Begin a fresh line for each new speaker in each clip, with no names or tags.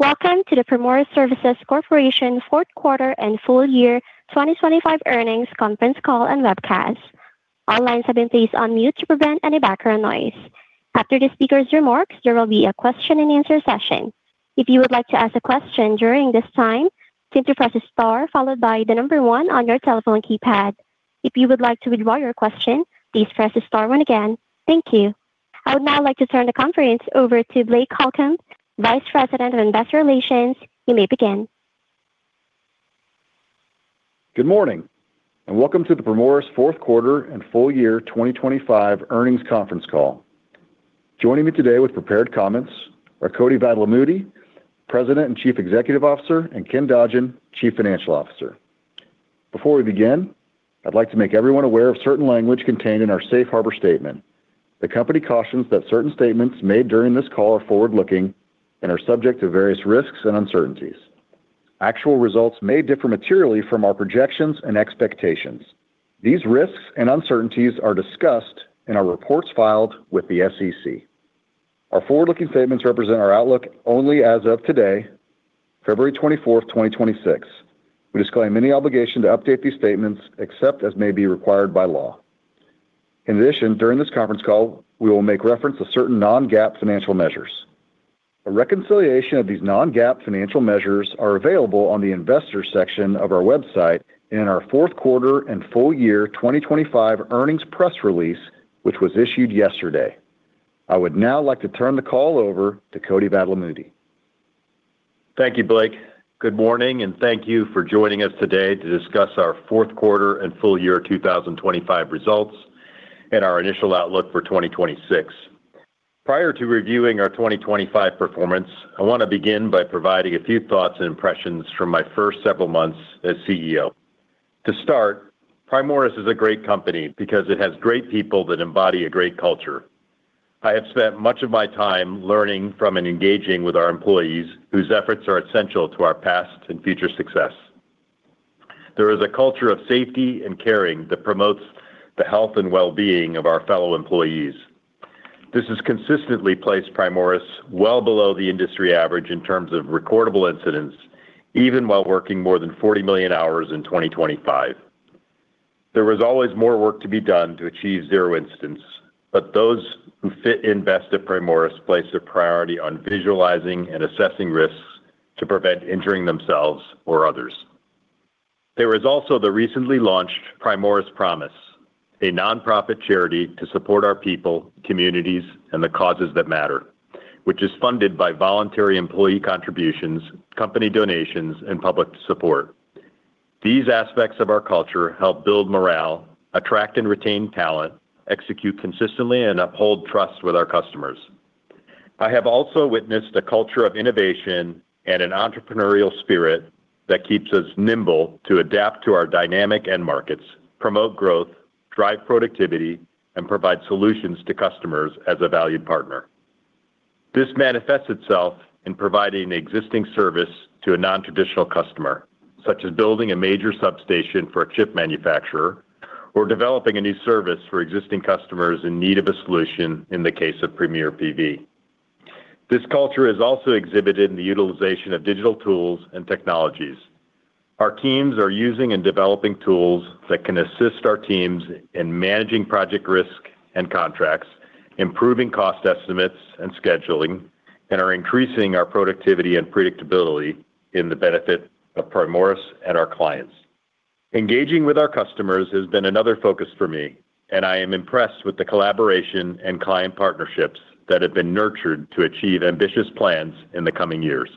Welcome to the Primoris Services Corporation fourth quarter and full year 2025 earnings conference call and webcast. All lines have been placed on mute to prevent any background noise. After the speaker's remarks, there will be a question-and-answer session. If you would like to ask a question during this time, simply press star followed by one on your telephone keypad. If you would like to withdraw your question, please press star one again. Thank you. I would now like to turn the conference over to Blake Holcomb, Vice President of Investor Relations. You may begin.
Good morning, welcome to the Primoris Q4 and full year 2025 earnings conference call. Joining me today with prepared comments are Koti Vadlamudi, President and Chief Executive Officer, and Ken Dodgen, Chief Financial Officer. Before we begin, I'd like to make everyone aware of certain language contained in our safe harbor statement. The company cautions that certain statements made during this call are forward-looking and are subject to various risks and uncertainties. Actual results may differ materially from our projections and expectations. These risks and uncertainties are discussed in our reports filed with the SEC. Our forward-looking statements represent our outlook only as of today, February 24th, 2026. We disclaim any obligation to update these statements except as may be required by law. During this conference call, we will make reference to certain non-GAAP financial measures. A reconciliation of these non-GAAP financial measures are available on the Investors section of our website in our Q4 and full year 2025 earnings press release, which was issued yesterday. I would now like to turn the call over to Koti Vadlamudi.
Thank you, Blake. Good morning, and thank you for joining us today to discuss our Q and full year 2025 results and our initial outlook for 2026. Prior to reviewing our 2025 performance, I want to begin by providing a few thoughts and impressions from my first several months as CEO. To start, Primoris is a great company because it has great people that embody a great culture. I have spent much of my time learning from and engaging with our employees, whose efforts are essential to our past and future success. There is a culture of safety and caring that promotes the health and well-being of our fellow employees. This has consistently placed Primoris well below the industry average in terms of recordable incidents, even while working more than 40 million hours in 2025. There was always more work to be done to achieve zero incidents, but those who fit in best at Primoris place a priority on visualizing and assessing risks to prevent injuring themselves or others. There is also the recently launched Primoris Promise, a nonprofit charity to support our people, communities, and the causes that matter, which is funded by voluntary employee contributions, company donations, and public support. These aspects of our culture help build morale, attract and retain talent, execute consistently, and uphold trust with our customers. I have also witnessed a culture of innovation and an entrepreneurial spirit that keeps us nimble to adapt to our dynamic end markets, promote growth, drive productivity, and provide solutions to customers as a valued partner. This manifests itself in providing existing service to a non-traditional customer, such as building a major substation for a chip manufacturer or developing a new service for existing customers in need of a solution in the case of Premier PV. This culture is also exhibited in the utilization of digital tools and technologies. Our teams are using and developing tools that can assist our teams in managing project risk and contracts, improving cost estimates and scheduling, and are increasing our productivity and predictability in the benefit of Primoris and our clients. Engaging with our customers has been another focus for me, and I am impressed with the collaboration and client partnerships that have been nurtured to achieve ambitious plans in the coming years.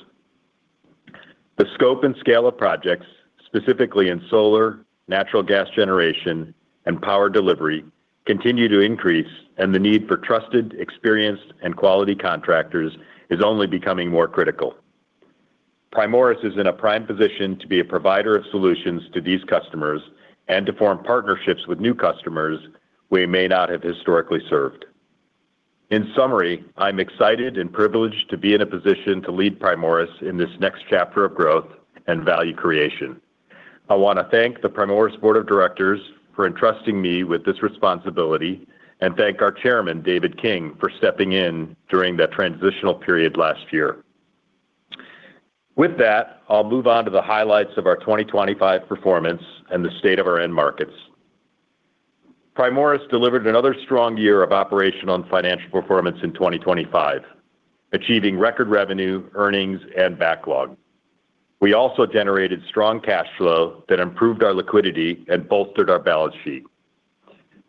The scope and scale of projects, specifically in solar, natural gas generation, and power delivery, continue to increase. The need for trusted, experienced, and quality contractors is only becoming more critical. Primoris is in a prime position to be a provider of solutions to these customers and to form partnerships with new customers we may not have historically served. In summary, I'm excited and privileged to be in a position to lead Primoris in this next chapter of growth and value creation. I want to thank the Primoris board of directors for entrusting me with this responsibility, and thank our Chairman, David King, for stepping in during that transitional period last year. With that, I'll move on to the highlights of our 2025 performance and the state of our end markets. Primoris delivered another strong year of operational and financial performance in 2025, achieving record revenue, earnings, and backlog. We also generated strong cash flow that improved our liquidity and bolstered our balance sheet.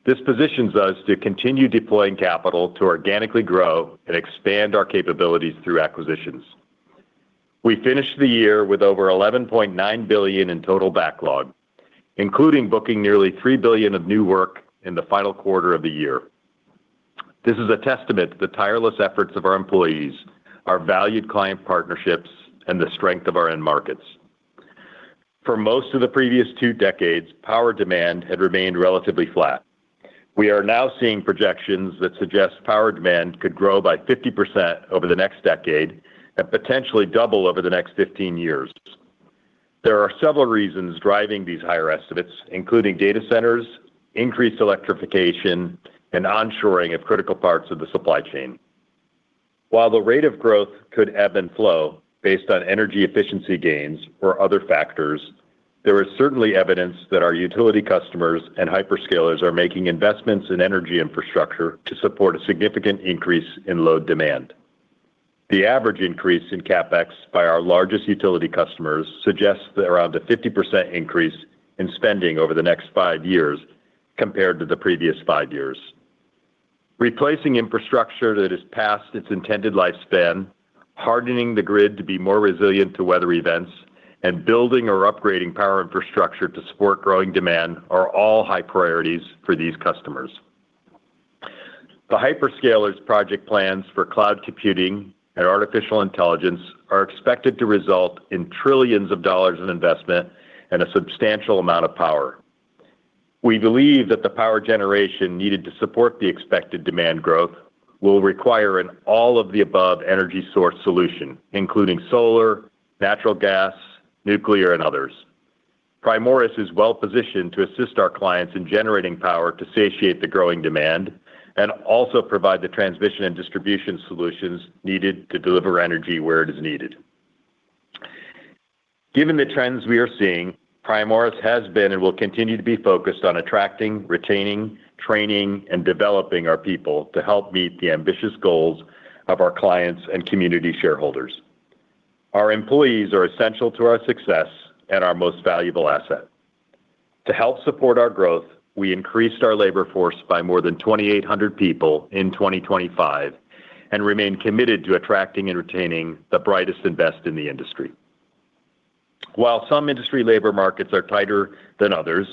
This positions us to continue deploying capital to organically grow and expand our capabilities through acquisitions. We finished the year with over $11.9 billion in total backlog, including booking nearly $3 billion of new work in the final quarter of the year. This is a testament to the tireless efforts of our employees, our valued client partnerships, and the strength of our end markets. For most of the previous two decades, power demand had remained relatively flat. We are now seeing projections that suggest power demand could grow by 50% over the next decade and potentially double over the next 15 years.... There are several reasons driving these higher estimates, including data centers, increased electrification, and on-shoring of critical parts of the supply chain. While the rate of growth could ebb and flow based on energy efficiency gains or other factors, there is certainly evidence that our utility customers and hyperscalers are making investments in energy infrastructure to support a significant increase in load demand. The average increase in CapEx by our largest utility customers suggests that around a 50% increase in spending over the next five years compared to the previous five years. Replacing infrastructure that is past its intended lifespan, hardening the grid to be more resilient to weather events, and building or upgrading power infrastructure to support growing demand are all high priorities for these customers. The hyperscalers project plans for cloud computing and artificial intelligence are expected to result in trillions of dollars in investment and a substantial amount of power. We believe that the power generation needed to support the expected demand growth will require an all-of-the-above energy source solution, including solar, natural gas, nuclear, and others. Primoris is well-positioned to assist our clients in generating power to satiate the growing demand and also provide the transmission and distribution solutions needed to deliver energy where it is needed. Given the trends we are seeing, Primoris has been and will continue to be focused on attracting, retaining, training, and developing our people to help meet the ambitious goals of our clients and community shareholders. Our employees are essential to our success and our most valuable asset. To help support our growth, we increased our labor force by more than 2,800 people in 2025 and remain committed to attracting and retaining the brightest and best in the industry. While some industry labor markets are tighter than others,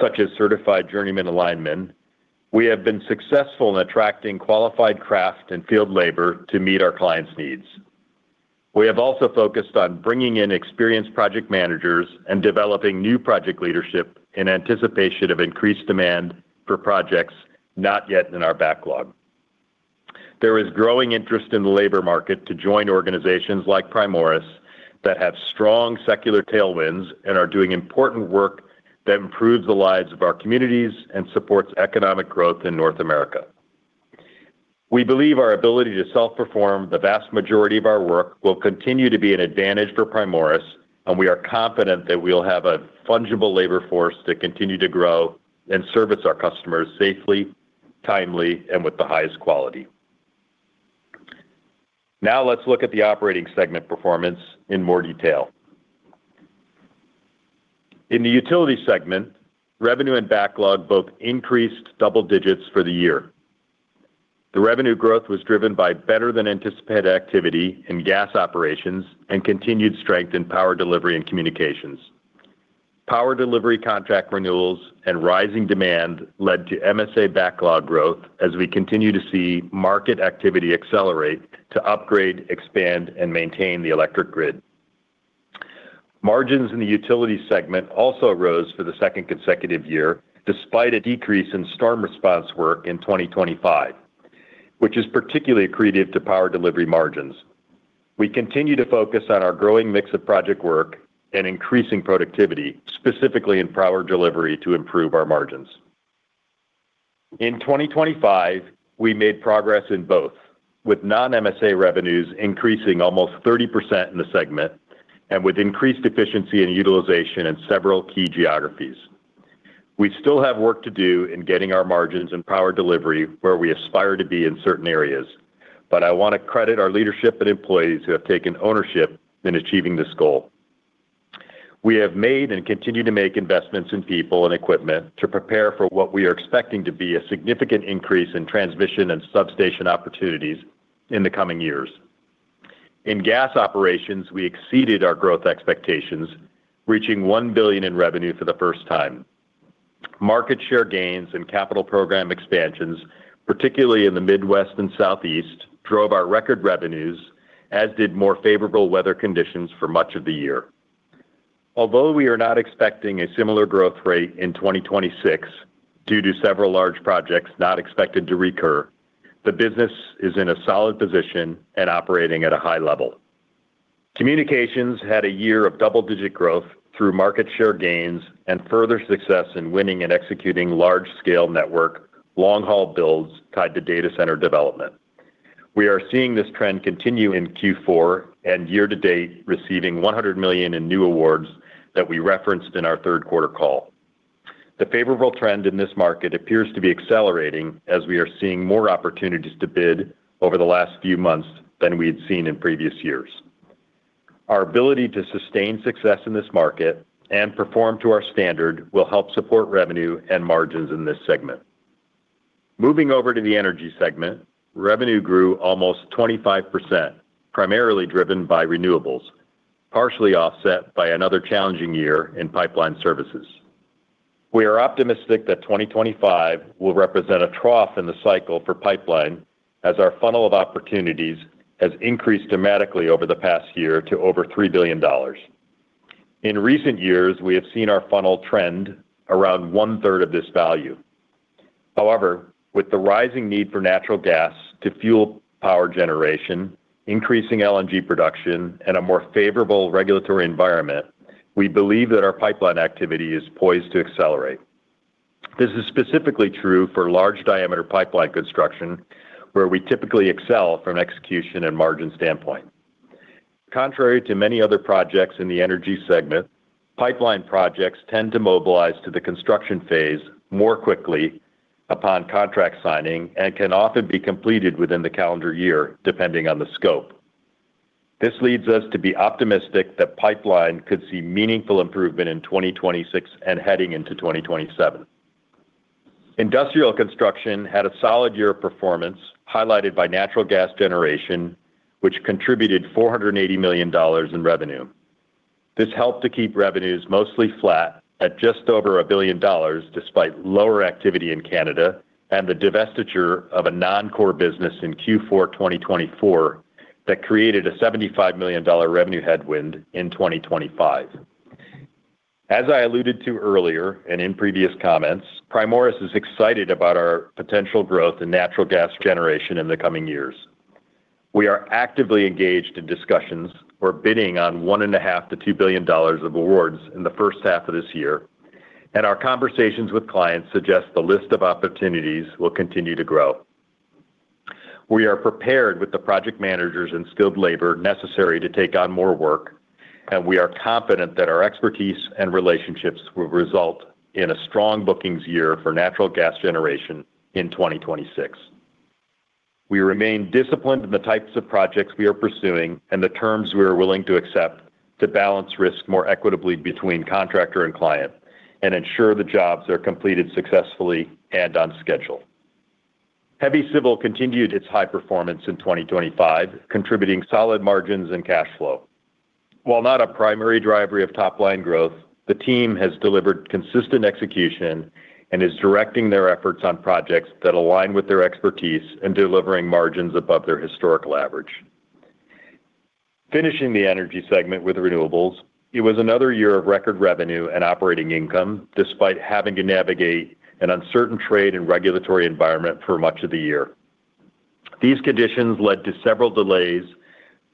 such as certified journeymen linemen, we have been successful in attracting qualified craft and field labor to meet our clients' needs. We have also focused on bringing in experienced project managers and developing new project leadership in anticipation of increased demand for projects not yet in our backlog. There is growing interest in the labor market to join organizations like Primoris, that have strong secular tailwinds and are doing important work that improves the lives of our communities and supports economic growth in North America. We believe our ability to self-perform the vast majority of our work will continue to be an advantage for Primoris, and we are confident that we'll have a fungible labor force to continue to grow and service our customers safely, timely, and with the highest quality. Let's look at the operating segment performance in more detail. In the utility segment, revenue and backlog both increased double digits for the year. The revenue growth was driven by better-than-anticipated activity in gas operations and continued strength in power delivery and communications. Power delivery, contract renewals, and rising demand led to MSA backlog growth as we continue to see market activity accelerate to upgrade, expand, and maintain the electric grid. Margins in the utility segment also rose for the second consecutive year, despite a decrease in storm response work in 2025, which is particularly accretive to power delivery margins. We continue to focus on our growing mix of project work and increasing productivity, specifically in power delivery, to improve our margins. In 2025, we made progress in both, with non-MSA revenues increasing almost 30% in the segment and with increased efficiency and utilization in several key geographies. We still have work to do in getting our margins and power delivery where we aspire to be in certain areas, but I want to credit our leadership and employees who have taken ownership in achieving this goal. We have made and continue to make investments in people and equipment to prepare for what we are expecting to be a significant increase in transmission and substation opportunities in the coming years. In gas operations, we exceeded our growth expectations, reaching $1 billion in revenue for the first time. Market share gains and capital program expansions, particularly in the Midwest and Southeast, drove our record revenues, as did more favorable weather conditions for much of the year. Although we are not expecting a similar growth rate in 2026 due to several large projects not expected to recur, the business is in a solid position and operating at a high level. Communications had a year of double-digit growth through market share gains and further success in winning and executing large-scale network, long-haul builds tied to data center development. We are seeing this trend continue in Q4 and year-to-date, receiving $100 million in new awards that we referenced in our Q3 call. The favorable trend in this market appears to be accelerating as we are seeing more opportunities to bid over the last few months than we had seen in previous years. Our ability to sustain success in this market and perform to our standard will help support revenue and margins in this segment. Moving over to the energy segment, revenue grew almost 25%, primarily driven by renewables, partially offset by another challenging year in pipeline services. We are optimistic that 2025 will represent a trough in the cycle for pipeline, as our funnel of opportunities has increased dramatically over the past year to over $3 billion. In recent years, we have seen our funnel trend around one-third of this value. However, with the rising need for natural gas to fuel power generation, increasing LNG production, and a more favorable regulatory environment, we believe that our pipeline activity is poised to accelerate. This is specifically true for large-diameter pipeline construction, where we typically excel from an execution and margin standpoint. Contrary to many other projects in the energy segment, pipeline projects tend to mobilize to the construction phase more quickly upon contract signing and can often be completed within the calendar year, depending on the scope. This leads us to be optimistic that pipeline could see meaningful improvement in 2026 and heading into 2027. Industrial construction had a solid year of performance, highlighted by natural gas generation, which contributed $480 million in revenue. This helped to keep revenues mostly flat at just over $1 billion, despite lower activity in Canada and the divestiture of a non-core business in Q4 2024 that created a $75 million revenue headwind in 2025. As I alluded to earlier and in previous comments, Primoris is excited about our potential growth in natural gas generation in the coming years. We are actively engaged in discussions. We're bidding on one and a half to $2 billion of awards in the first half of this year. Our conversations with clients suggest the list of opportunities will continue to grow. We are prepared with the project managers and skilled labor necessary to take on more work. We are confident that our expertise and relationships will result in a strong bookings year for natural gas generation in 2026. We remain disciplined in the types of projects we are pursuing and the terms we are willing to accept to balance risk more equitably between contractor and client and ensure the jobs are completed successfully and on schedule. Heavy Civil continued its high performance in 2025, contributing solid margins and cash flow. While not a primary driver of top-line growth, the team has delivered consistent execution and is directing their efforts on projects that align with their expertise in delivering margins above their historical average. Finishing the energy segment with renewables, it was another year of record revenue and operating income, despite having to navigate an uncertain trade and regulatory environment for much of the year. These conditions led to several delays,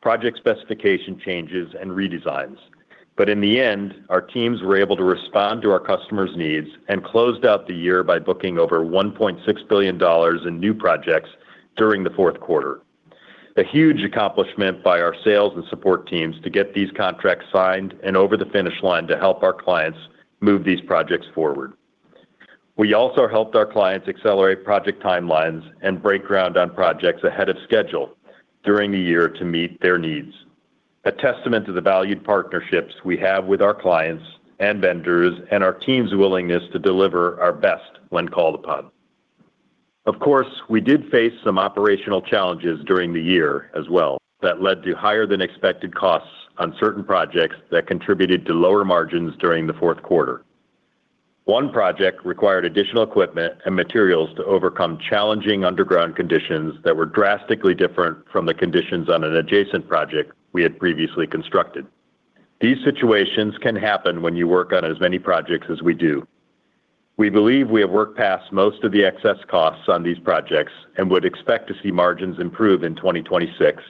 project specification changes, and redesigns. In the end, our teams were able to respond to our customers' needs and closed out the year by booking over $1.6 billion in new projects during the Q4. A huge accomplishment by our sales and support teams to get these contracts signed and over the finish line to help our clients move these projects forward. We also helped our clients accelerate project timelines and break ground on projects ahead of schedule during the year to meet their needs, a testament to the valued partnerships we have with our clients and vendors, and our team's willingness to deliver our best when called upon. Of course, we did face some operational challenges during the year as well, that led to higher-than-expected costs on certain projects that contributed to lower margins during the Q4. One project required additional equipment and materials to overcome challenging underground conditions that were drastically different from the conditions on an adjacent project we had previously constructed. These situations can happen when you work on as many projects as we do. We believe we have worked past most of the excess costs on these projects and would expect to see margins improve in 2026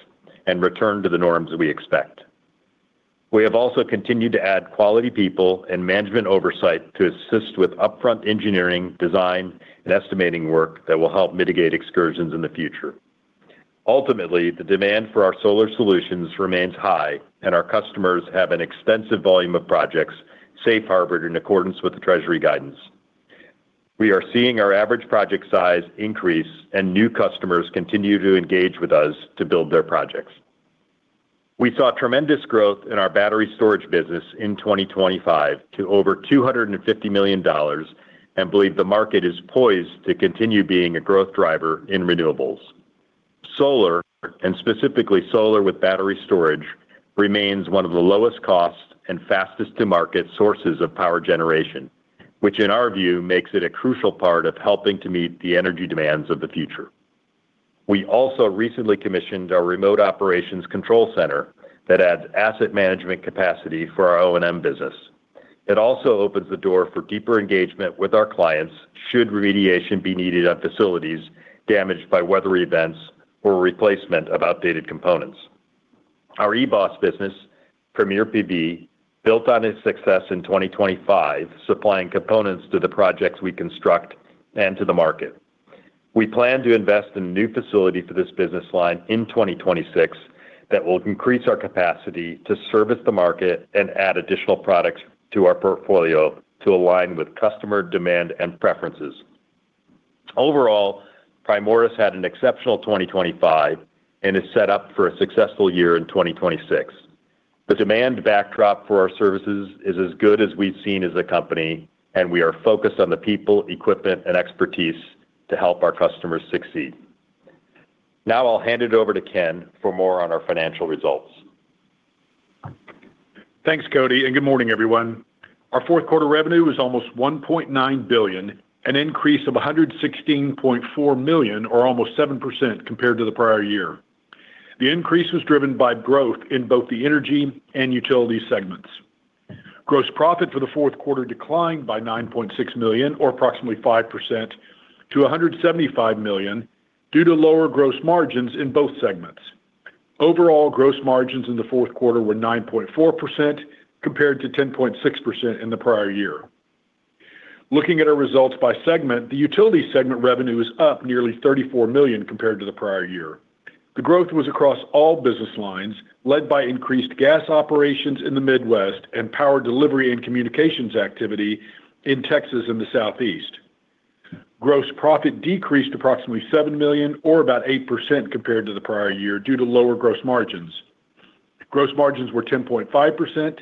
and return to the norms we expect. We have also continued to add quality people and management oversight to assist with upfront engineering, design, and estimating work that will help mitigate excursions in the future. Ultimately, the demand for our solar solutions remains high, and our customers have an extensive volume of projects safe harbored in accordance with the Treasury guidance. We are seeing our average project size increase, and new customers continue to engage with us to build their projects. We saw tremendous growth in our battery storage business in 2025 to over $250 million and believe the market is poised to continue being a growth driver in renewables. Solar, and specifically solar with battery storage, remains one of the lowest cost and fastest-to-market sources of power generation, which, in our view, makes it a crucial part of helping to meet the energy demands of the future. We also recently commissioned our Remote Operations Control Center that adds asset management capacity for our O&M business. It also opens the door for deeper engagement with our clients should remediation be needed on facilities damaged by weather events or replacement of outdated components. Our eBOS business, Premier PV, built on its success in 2025, supplying components to the projects we construct and to the market. We plan to invest in a new facility for this business line in 2026 that will increase our capacity to service the market and add additional products to our portfolio to align with customer demand and preferences. Overall, Primoris had an exceptional 2025 and is set up for a successful year in 2026. The demand backdrop for our services is as good as we've seen as a company. We are focused on the people, equipment, and expertise to help our customers succeed. I'll hand it over to Ken for more on our financial results.
Thanks, Koti. Good morning, everyone. Our Q4 revenue was almost $1.9 billion, an increase of $116.4 million or almost 7% compared to the prior year. The increase was driven by growth in both the Energy and Utility segments. Gross profit for the Q4 declined by $9.6 million, or approximately 5% to $175 million, due to lower gross margins in both segments. Overall, gross margins in the Q4 were 9.4%, compared to 10.6% in the prior year. Looking at our results by segment, the Utility segment revenue is up nearly $34 million compared to the prior year. The growth was across all business lines, led by increased gas operations in the Midwest and power delivery and communications activity in Texas and the Southeast. Gross profit decreased approximately $7 million, or about 8% compared to the prior year, due to lower gross margins. Gross margins were 10.5%,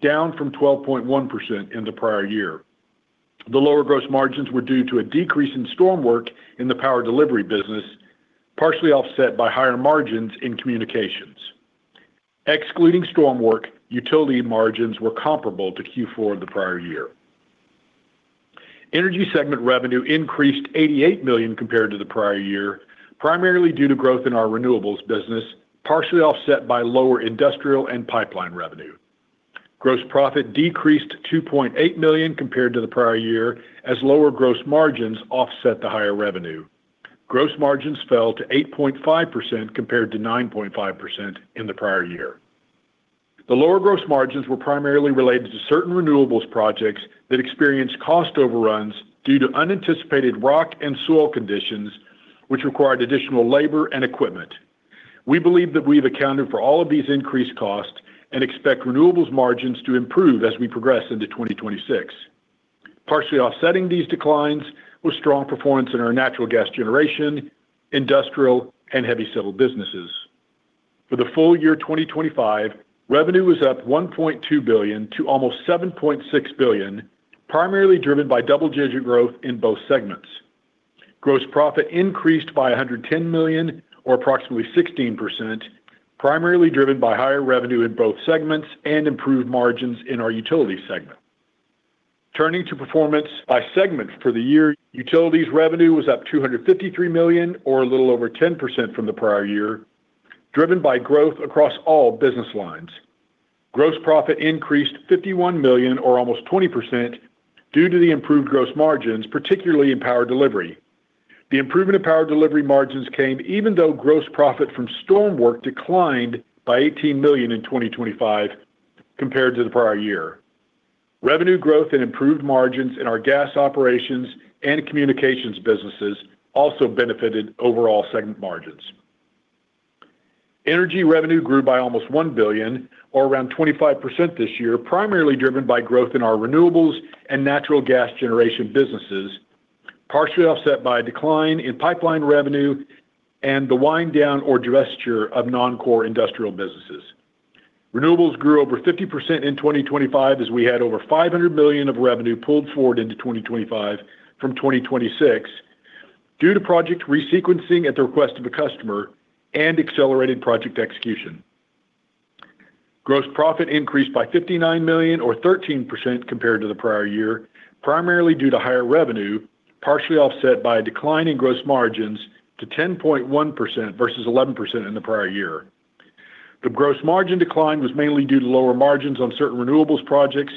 down from 12.1% in the prior year. The lower gross margins were due to a decrease in storm work in the power delivery business, partially offset by higher margins in communications. Excluding storm work, utility margins were comparable to Q4 the prior year. Energy segment revenue increased $88 million compared to the prior year, primarily due to growth in our renewables business, partially offset by lower industrial and pipeline revenue. Gross profit decreased to $2.8 million compared to the prior year, as lower gross margins offset the higher revenue. Gross margins fell to 8.5%, compared to 9.5% in the prior year. The lower gross margins were primarily related to certain renewables projects that experienced cost overruns due to unanticipated rock and soil conditions, which required additional labor and equipment. We believe that we've accounted for all of these increased costs and expect renewables margins to improve as we progress into 2026. Partially offsetting these declines was strong performance in our natural gas generation, industrial, and heavy civil businesses. For the full year, 2025, revenue was up $1.2 billion to almost $7.6 billion, primarily driven by double-digit growth in both segments. Gross profit increased by $110 million or approximately 16%, primarily driven by higher revenue in both segments and improved margins in our utility segment. Turning to performance by segment for the year, utilities revenue was up $253 million or a little over 10% from the prior year, driven by growth across all business lines. Gross profit increased $51 million or almost 20% due to the improved gross margins, particularly in power delivery. The improvement in power delivery margins came even though gross profit from storm work declined by $18 million in 2025 compared to the prior year. Revenue growth and improved margins in our gas operations and communications businesses also benefited overall segment margins. Energy revenue grew by almost $1 billion or around 25% this year, primarily driven by growth in our renewables and natural gas generation businesses, partially offset by a decline in pipeline revenue and the wind down or divestiture of non-core industrial businesses. Renewables grew over 50% in 2025, as we had over $500 million of revenue pulled forward into 2025 from 2026 due to project resequencing at the request of a customer and accelerated project execution. Gross profit increased by $59 million or 13% compared to the prior year, primarily due to higher revenue, partially offset by a decline in gross margins to 10.1% versus 11% in the prior year. The gross margin decline was mainly due to lower margins on certain renewables projects,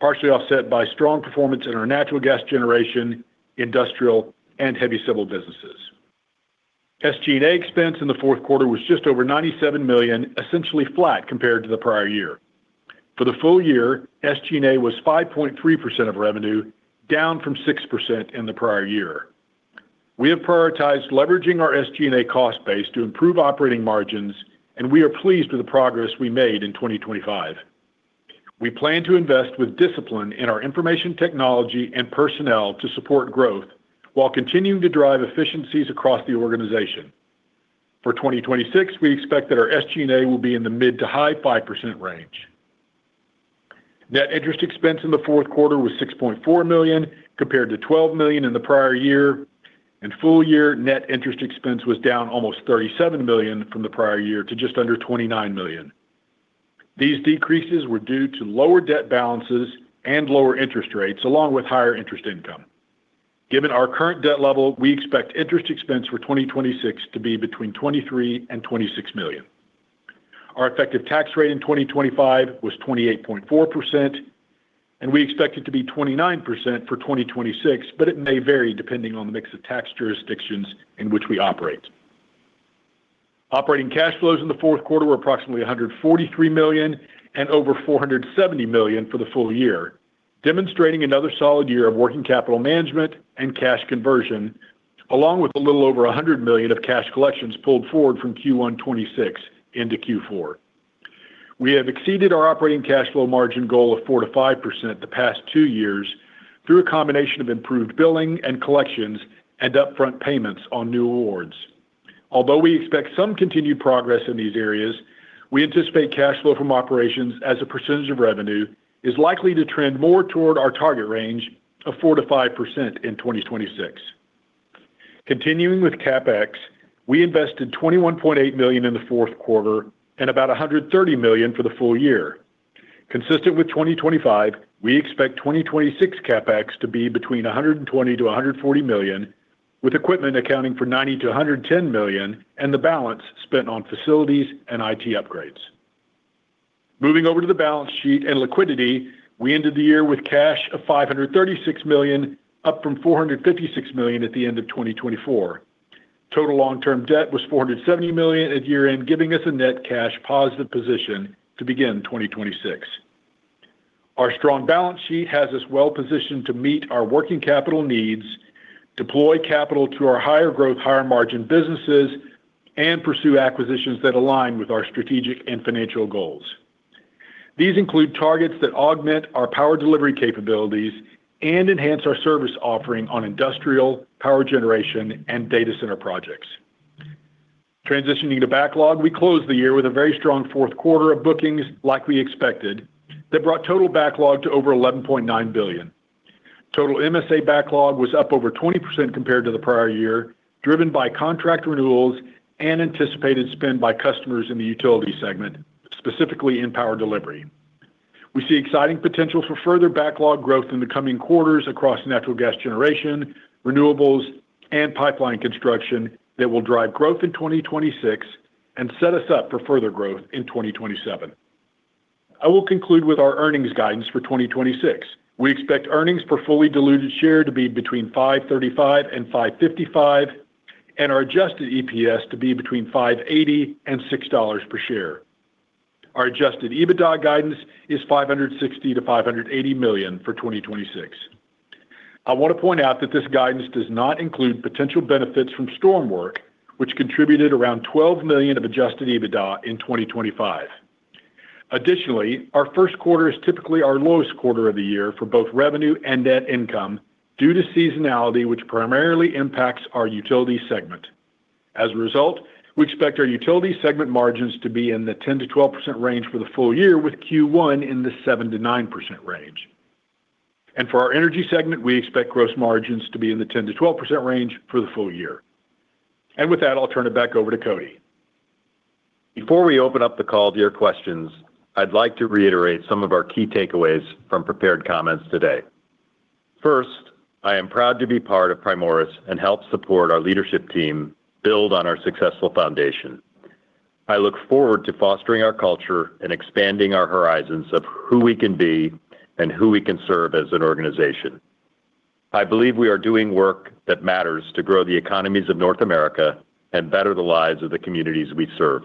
partially offset by strong performance in our natural gas generation, industrial, and heavy civil businesses. SG&A expense in the Q4 was just over $97 million, essentially flat compared to the prior year. For the full year, SG&A was 5.3% of revenue, down from 6% in the prior year. We have prioritized leveraging our SG&A cost base to improve operating margins, and we are pleased with the progress we made in 2025. We plan to invest with discipline in our information technology and personnel to support growth while continuing to drive efficiencies across the organization. For 2026, we expect that our SG&A will be in the mid to high 5% range. Net interest expense in the Q4 was $6.4 million, compared to $12 million in the prior year, and full year net interest expense was down almost $37 million from the prior year to just under $29 million. These decreases were due to lower debt balances and lower interest rates, along with higher interest income. Given our current debt level, we expect interest expense for 2026 to be between $23 million and $26 million. Our effective tax rate in 2025 was 28.4%. We expect it to be 29% for 2026, it may vary depending on the mix of tax jurisdictions in which we operate. Operating cash flows in the Q4 were approximately $143 million over $470 million for the full year, demonstrating another solid year of working capital management and cash conversion, along with a little over $100 million of cash collections pulled forward from Q1 2026 into Q4. We have exceeded our operating cash flow margin goal of 4% - 5% the past two years through a combination of improved billing and collections and upfront payments on new awards. Although we expect some continued progress in these areas, we anticipate cash flow from operations as a percentage of revenue, is likely to trend more toward our target range of 4% - 5% in 2026. Continuing with CapEx, we invested $21.8 million in the Q4 and about $130 million for the full year. Consistent with 2025, we expect 2026 CapEx to be between $120 million-$140 million, with equipment accounting for $90 million-$110 million, and the balance spent on facilities and IT upgrades. Moving over to the balance sheet and liquidity, we ended the year with cash of $536 million, up from $456 million at the end of 2024. Total long-term debt was $470 million at year-end, giving us a net cash positive position to begin 2026. Our strong balance sheet has us well-positioned to meet our working capital needs, deploy capital to our higher growth, higher margin businesses, and pursue acquisitions that align with our strategic and financial goals. These include targets that augment our power delivery capabilities and enhance our service offering on industrial, power generation, and data center projects. Transitioning to backlog, we closed the year with a very strong Q4 of bookings, like we expected, that brought total backlog to over $11.9 billion. Total MSA backlog was up over 20% compared to the prior year, driven by contract renewals and anticipated spend by customers in the utility segment, specifically in power delivery. We see exciting potential for further backlog growth in the coming quarters across natural gas generation, renewables, and pipeline construction that will drive growth in 2026 and set us up for further growth in 2027. I will conclude with our earnings guidance for 2026. We expect earnings per fully diluted share to be between $5.35 and $5.55, and our adjusted EPS to be between $5.80 and $6.00 per share. Our adjusted EBITDA guidance is $560 million-$580 million for 2026. I want to point out that this guidance does not include potential benefits from storm work, which contributed around $12 million of adjusted EBITDA in 2025. Additionally, our Q1 is typically our lowest quarter of the year for both revenue and net income due to seasonality, which primarily impacts our utility segment. As a result, we expect our utility segment margins to be in the 10% - 12% range for the full year, with Q1 in the 7% - 9% range. For our energy segment, we expect gross margins to be in the 10% - 12% range for the full year. With that, I'll turn it back over to Koti.
Before we open up the call to your questions, I'd like to reiterate some of our key takeaways from prepared comments today. First, I am proud to be part of Primoris and help support our leadership team build on our successful foundation. I look forward to fostering our culture and expanding our horizons of who we can be and who we can serve as an organization. I believe we are doing work that matters to grow the economies of North America and better the lives of the communities we serve.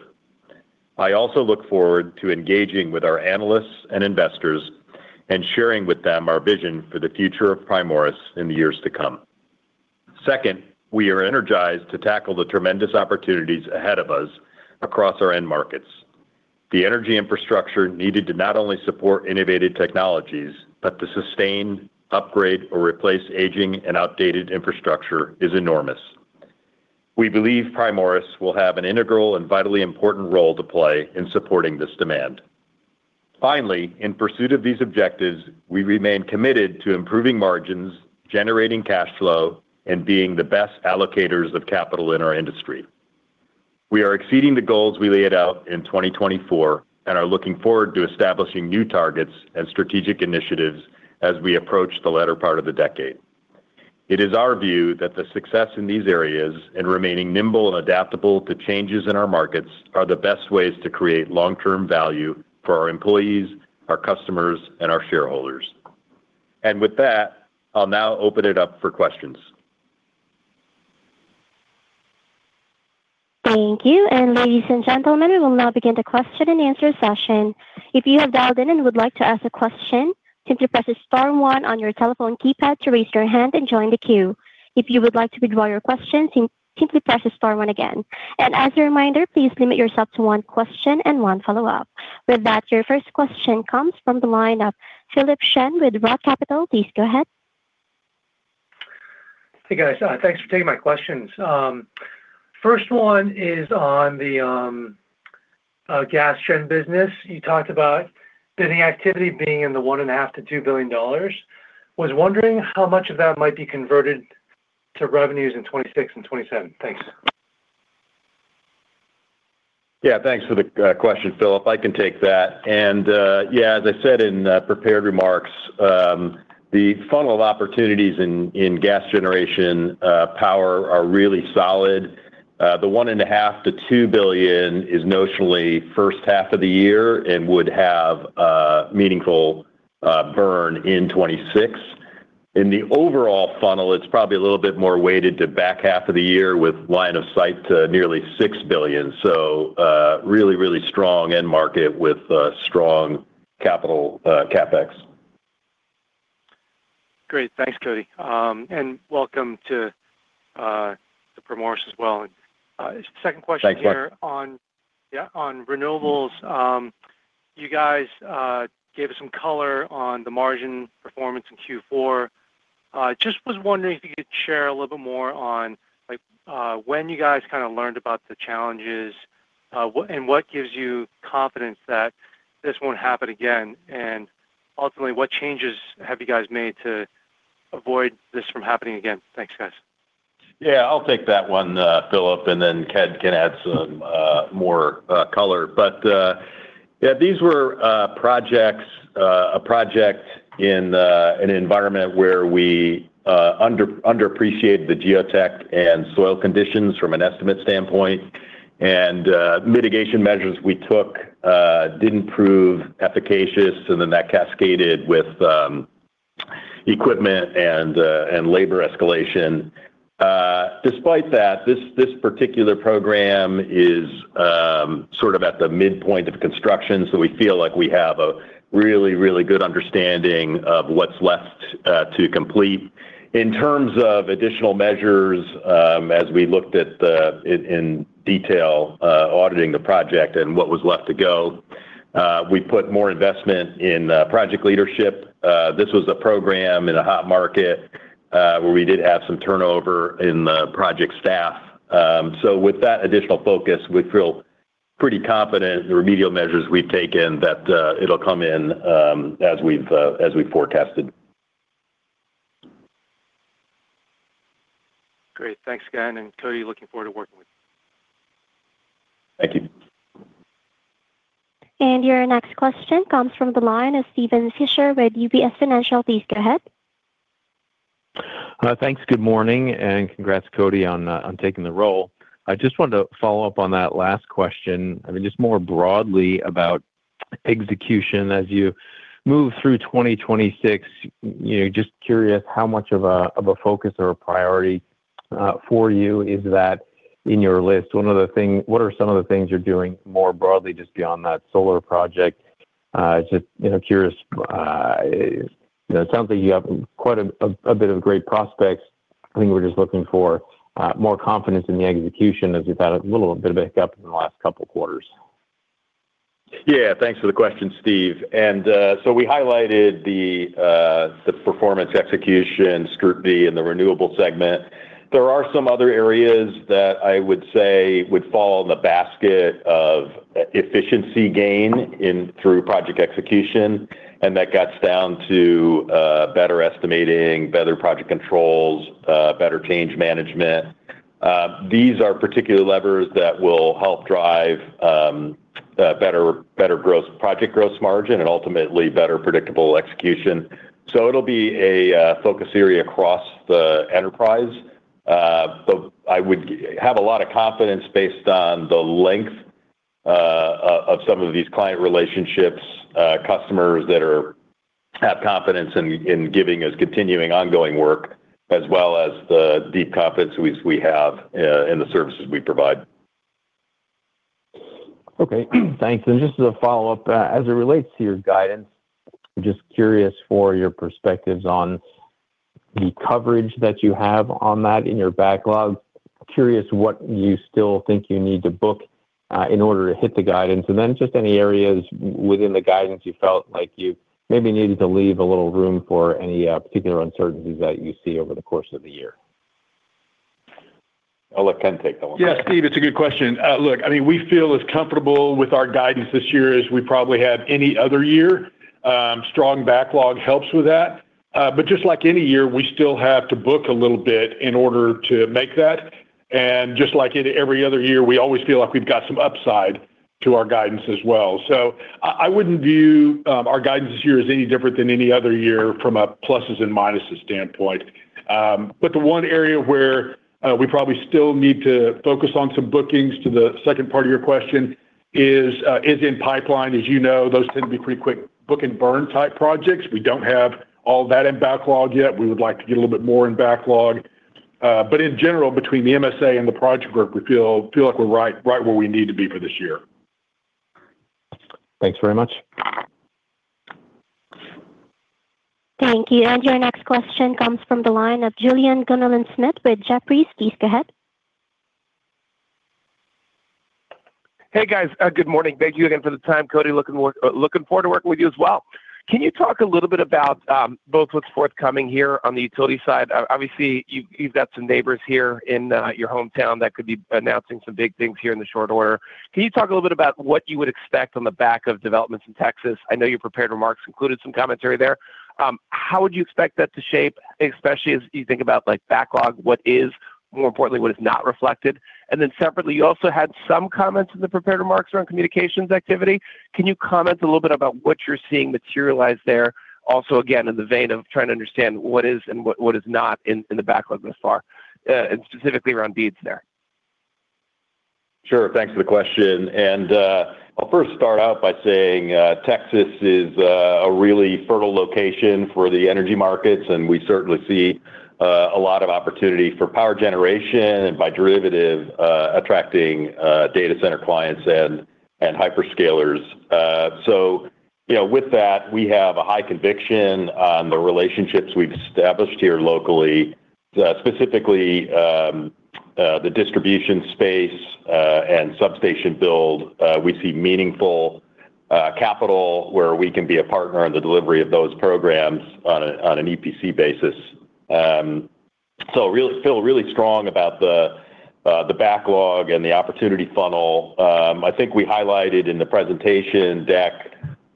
I also look forward to engaging with our analysts and investors and sharing with them our vision for the future of Primoris in the years to come. Second, we are energized to tackle the tremendous opportunities ahead of us across our end markets. The energy infrastructure needed to not only support innovative technologies, but to sustain, upgrade, or replace aging and outdated infrastructure is enormous. We believe Primoris will have an integral and vitally important role to play in supporting this demand. In pursuit of these objectives, we remain committed to improving margins, generating cash flow, and being the best allocators of capital in our industry. We are exceeding the goals we laid out in 2024 and are looking forward to establishing new targets and strategic initiatives as we approach the latter part of the decade. It is our view that the success in these areas and remaining nimble and adaptable to changes in our markets are the best ways to create long-term value for our employees, our customers, and our shareholders. With that, I'll now open it up for questions.
Thank you. Ladies and gentlemen, we will now begin the question and answer session. If you have dialed in and would like to ask a question, simply press star one on your telephone keypad to raise your hand and join the queue. If you would like to withdraw your question, simply press star one again. As a reminder, please limit yourself to one question and one follow-up. With that, your first question comes from the line of Philip Shen with Roth Capital. Please go ahead.
Hey, guys. Thanks for taking my questions. First one is on the gas gen business. You talked about bidding activity being in the $1.5 billion-$2 billion. Was wondering how much of that might be converted to revenues in 2026 and 2027? Thanks.
Thanks for the question, Philip. I can take that. As I said in prepared remarks, the funnel of opportunities in gas generation power are really solid. The one and a half to $2 billion is notionally first half of the year and would have a meaningful burn in 2026. In the overall funnel, it's probably a little bit more weighted to back half of the year with line of sight to nearly $6 billion. Really, really strong end market with strong capital CapEx.
Great. Thanks, Koti. Welcome to Primoris as well. second question.
Thanks, Philip....
here on, yeah, on renewables. You guys gave us some color on the margin performance in Q4. Just was wondering if you could share a little bit more on, like, when you guys kind of learned about the challenges, and what gives you confidence that this won't happen again? Ultimately, what changes have you guys made to avoid this from happening again? Thanks, guys.
Yeah, I'll take that one, Philip, then Ken can add some more color. Yeah, these were projects, a project in an environment where we underappreciated the geotech and soil conditions from an estimate standpoint, mitigation measures we took didn't prove efficacious, then that cascaded with equipment and labor escalation. Despite that, this particular program is sort of at the midpoint of construction, we feel like we have a really, really good understanding of what's left to complete. In terms of additional measures, as we looked in detail, auditing the project and what was left to go, we put more investment in project leadership. This was a program in a hot market, where we did have some turnover in the project staff. With that additional focus, we feel pretty confident in the remedial measures we've taken, that it'll come in, as we've, as we forecasted.
Great. Thanks again, and Koti, looking forward to working with you.
Thank you.
Your next question comes from the line of Steven Fisher with UBS Financial. Please go ahead.
Thanks. Good morning, congrats, Koti, on taking the role. I just wanted to follow up on that last question, I mean, just more broadly about execution. As you move through 2026, you know, just curious, how much of a focus or a priority for you is that in your list? What are some of the things you're doing more broadly, just beyond that solar project? Just, you know, curious, you know, it sounds like you have quite a bit of great prospects. I think we're just looking for more confidence in the execution, as you've had a little bit of a hiccup in the last couple quarters.
Yeah. Thanks for the question, Steve. We highlighted the performance execution, SCOOP B in the renewable segment. There are some other areas that I would say would fall in the basket of e-efficiency gain in, through project execution, and that gets down to better estimating, better project controls, better change management. These are particular levers that will help drive a better growth, project growth margin and ultimately better predictable execution. It'll be a focus area across the enterprise. I would have a lot of confidence based on the length of some of these client relationships, customers that have confidence in giving us continuing ongoing work, as well as the deep confidence we have in the services we provide.
Okay, thanks. Just as a follow-up, as it relates to your guidance, just curious for your perspectives on the coverage that you have on that in your backlog. Curious what you still think you need to book in order to hit the guidance, and then just any areas within the guidance you felt like you maybe needed to leave a little room for any particular uncertainties that you see over the course of the year.
I'll let Ken take that one.
Yeah, Steve, it's a good question. Look, I mean, we feel as comfortable with our guidance this year as we probably have any other year. Strong backlog helps with that, but just like any year, we still have to book a little bit in order to make that. Just like every other year, we always feel like we've got some upside to our guidance as well. I wouldn't view our guidance this year as any different than any other year from a pluses and minuses standpoint. The one area where we probably still need to focus on some bookings to the second part of your question is in pipeline. As you know, those tend to be pretty quick book and burn type projects. We don't have all that in backlog yet. We would like to get a little bit more in backlog, but in general, between the MSA and the project group, we feel like we're right where we need to be for this year.
Thanks very much.
Thank you. Your next question comes from the line of Stephen Dumoulin-Smith with Jefferies. Please go ahead.
Hey, guys. Good morning. Thank you again for the time, Koti. Looking forward to working with you as well. Can you talk a little bit about both what's forthcoming here on the utility side? Obviously, you've got some neighbors here in your hometown that could be announcing some big things here in the short order. Can you talk a little bit about what you would expect on the back of developments in Texas? I know your prepared remarks included some commentary there. How would you expect that to shape, especially as you think about, like, backlog, what is more importantly, what is not reflected? Separately, you also had some comments in the prepared remarks around communications activity. Can you comment a little bit about what you're seeing materialize there? Again, in the vein of trying to understand what is and what is not in the backlog thus far, and specifically around deeds there.
Sure. Thanks for the question, I'll first start out by saying, Texas is a really fertile location for the energy markets, and we certainly see a lot of opportunity for power generation and by derivative, attracting data center clients and hyperscalers. You know, with that, we have a high conviction on the relationships we've established here locally, specifically, the distribution space and substation build. We see meaningful capital where we can be a partner in the delivery of those programs on an EPC basis. Real- feel really strong about the backlog and the opportunity funnel, I think we highlighted in the presentation deck,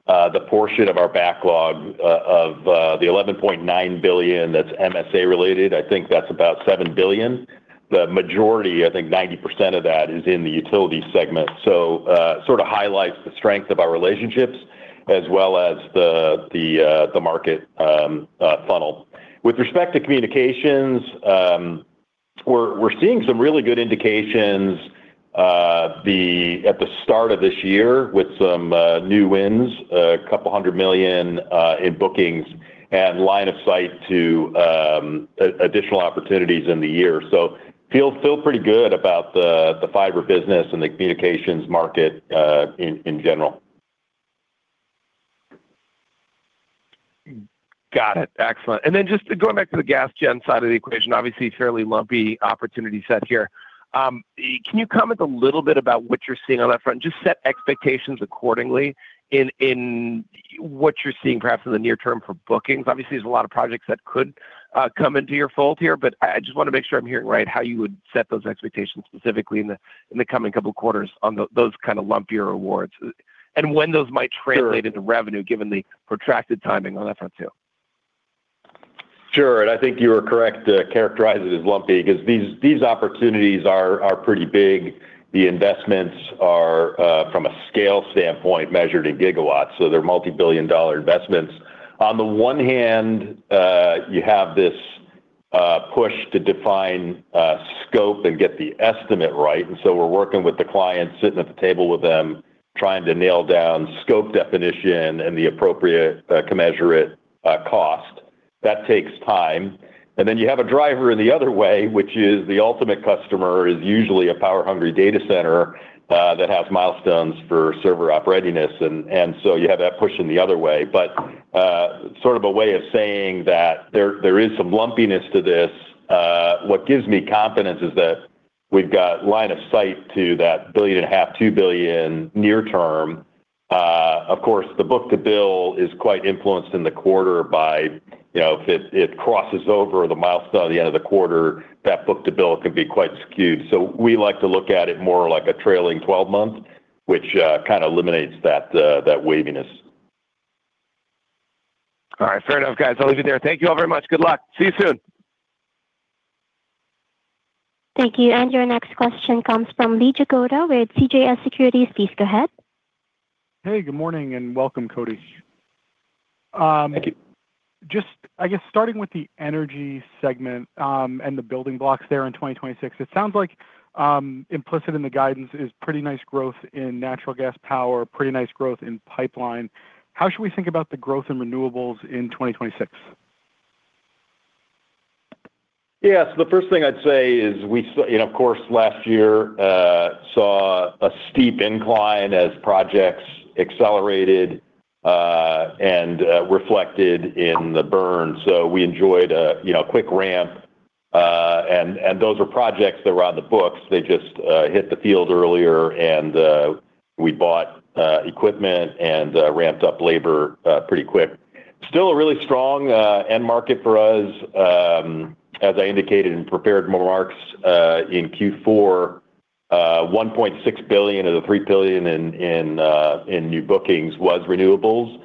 the portion of our backlog of the $11.9 billion that's MSA related. I think that's about $7 billion. The majority, I think 90% of that is in the utility segment. sort of highlights the strength of our relationships as well as the market funnel. With respect to communications, we're seeing some really good indications at the start of this year with some new wins, $200 million in bookings and line of sight to additional opportunities in the year. feel pretty good about the fiber business and the communications market in general.
Got it. Excellent. Just going back to the gas gen side of the equation, obviously, fairly lumpy opportunity set here. Can you comment a little bit about what you're seeing on that front? Just set expectations accordingly in what you're seeing perhaps in the near term for bookings. Obviously, there's a lot of projects that could come into your fold here. I just wanna make sure I'm hearing right, how you would set those expectations specifically in the, in the coming couple of quarters on those kind of lumpier awards, and when those might translate-
Sure
into revenue, given the protracted timing on that front, too.
Sure. I think you are correct to characterize it as lumpy because these opportunities are pretty big. The investments are from a scale standpoint, measured in gigawatts, so they're multibillion-dollar investments. On the one hand, you have this push to define scope and get the estimate right, so we're working with the clients, sitting at the table with them, trying to nail down scope, definition, and the appropriate commensurate cost. That takes time. Then you have a driver in the other way, which is the ultimate customer, is usually a power-hungry data center that has milestones for server readiness. So you have that pushing the other way. Sort of a way of saying that there is some lumpiness to this. What gives me confidence is that we've got line of sight to that $1.5 billion-$2 billion near term. Of course, the book-to-bill is quite influenced in the quarter by, you know, if it crosses over the milestone at the end of the quarter, that book-to-bill can be quite skewed. We like to look at it more like a trailing 12 month, which kind of eliminates that waviness.
All right. Fair enough, guys. I'll leave you there. Thank you all very much. Good luck. See you soon.
Thank you. Your next question comes from Lee Jagoda with C.J. Lawrence. Please go ahead.
Hey, good morning, and welcome, Koti.
Thank you.
Just, I guess, starting with the energy segment, and the building blocks there in 2026, it sounds like, implicit in the guidance is pretty nice growth in natural gas power, pretty nice growth in pipeline. How should we think about the growth in renewables in 2026?
Yeah. The first thing I'd say is, of course, last year saw a steep incline as projects accelerated and reflected in the burn. We enjoyed a, you know, quick ramp, and those were projects that were on the books. They just hit the field earlier, and we bought equipment and ramped up labor pretty quick. Still a really strong end market for us. As I indicated in prepared remarks, in Q4, $1.6 billion of the $3 billion in new bookings was renewables.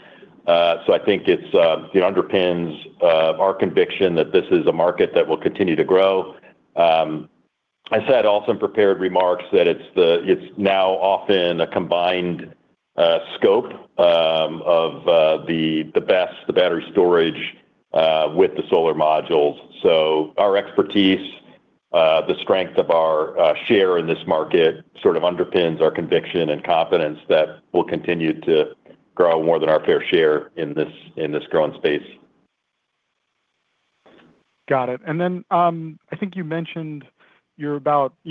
I think it's, it underpins our conviction that this is a market that will continue to grow. I said also in prepared remarks that it's now often a combined scope of the BESS, the battery storage, with the solar modules. Our expertise, the strength of our share in this market sort of underpins our conviction and confidence that we'll continue to grow more than our fair share in this growing space.
Got it. I think you mentioned You're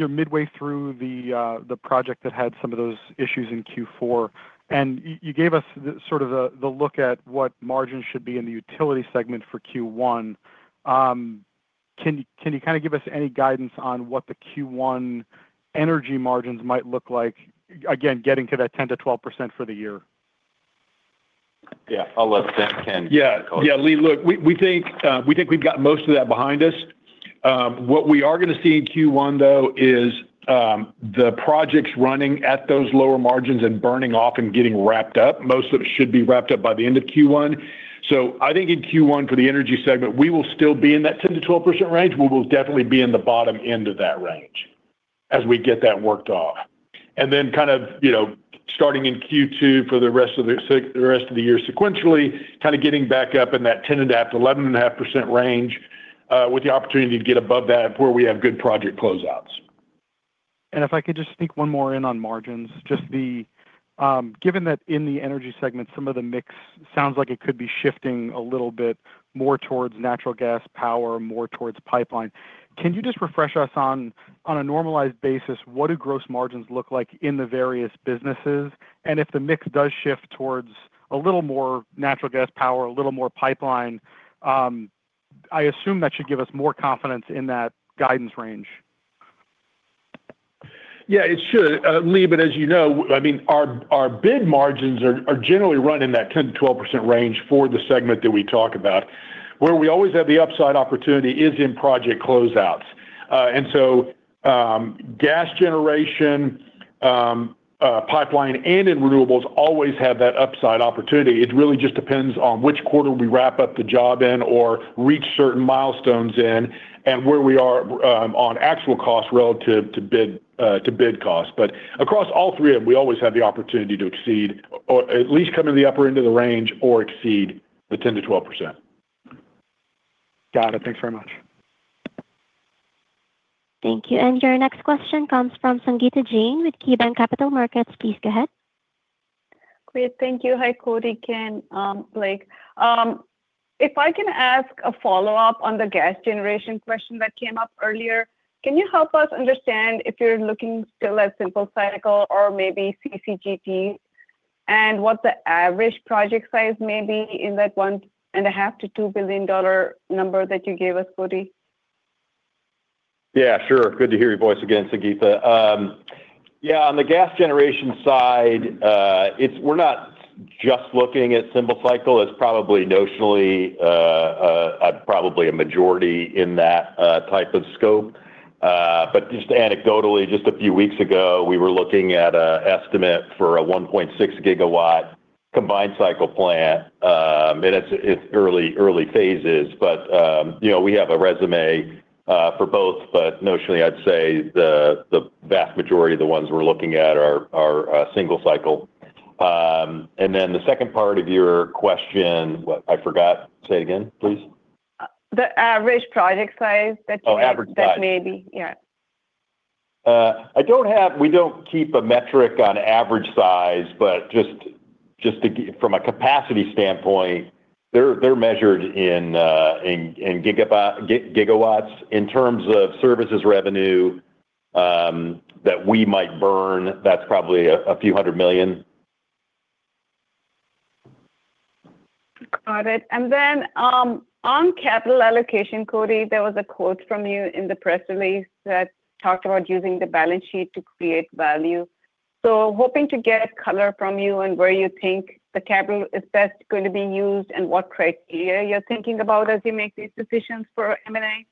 midway through the project that had some of those issues in Q4, and you gave us the sort of the look at what margins should be in the utility segment for Q1. Can you kind of give us any guidance on what the Q1 energy margins might look like, again, getting to that 10% - 12% for the year?
Yeah, I'll let Ken.
Yeah. Yeah, Lee, look, we think we've got most of that behind us. What we are gonna see in Q1, though, is the projects running at those lower margins and burning off and getting wrapped up. Most of it should be wrapped up by the end of Q1. I think in Q1, for the energy segment, we will still be in that 10% - 12% range, but we'll definitely be in the bottom end of that range as we get that worked off. Then kind of, you know, starting in Q2 for the rest of the year, sequentially, kind of getting back up in that 10.5% - 11.5% range, with the opportunity to get above that where we have good project closeouts.
If I could just sneak one more in on margins, just the... Given that in the energy segment, some of the mix sounds like it could be shifting a little bit more towards natural gas power, more towards pipeline, can you just refresh us on a normalized basis, what do gross margins look like in the various businesses? If the mix does shift towards a little more natural gas power, a little more pipeline, I assume that should give us more confidence in that guidance range?
Yeah, it should, Lee, but as you know, I mean, our bid margins are generally run in that 10% - 12% range for the segment that we talk about. Where we always have the upside opportunity is in project closeouts. Gas generation, pipeline, and in renewables always have that upside opportunity. It really just depends on which quarter we wrap up the job in or reach certain milestones in, and where we are on actual costs relative to bid to bid costs. Across all three of them, we always have the opportunity to exceed, or at least come to the upper end of the range or exceed the 10% - 12%.
Got it. Thanks very much.
Thank you. Your next question comes from Sangita Jain with KeyBanc Capital Markets. Please go ahead.
Great. Thank you. Hi, Koti, Ken, Blake. If I can ask a follow-up on the gas generation question that came up earlier, can you help us understand if you're looking still at simple cycle or maybe CCGT, and what the average project size may be in that $1.5 billion-$2 billion number that you gave us, Koti?
Yeah, sure. Good to hear your voice again, Sangita. Yeah, on the gas generation side, we're not just looking at single cycle. It's probably notionally, probably a majority in that type of scope. Just anecdotally, just a few weeks ago, we were looking at a estimate for a 1.6 gigawatt combined cycle plant, and it's early phases, but, you know, we have a resume for both. Notionally, I'd say the vast majority of the ones we're looking at are single cycle. The second part of your question, what? I forgot. Say again, please.
The average project size that you-.
Oh, average size.
That may be. Yeah.
We don't keep a metric on average size, but just to get from a capacity standpoint, they're measured in gigawatts. In terms of services revenue, that we might burn, that's probably $a few hundred million.
Got it. On capital allocation, Koti, there was a quote from you in the press release that talked about using the balance sheet to create value. Hoping to get color from you on where you think the capital is best going to be used and what criteria you're thinking about as you make these decisions for M&A?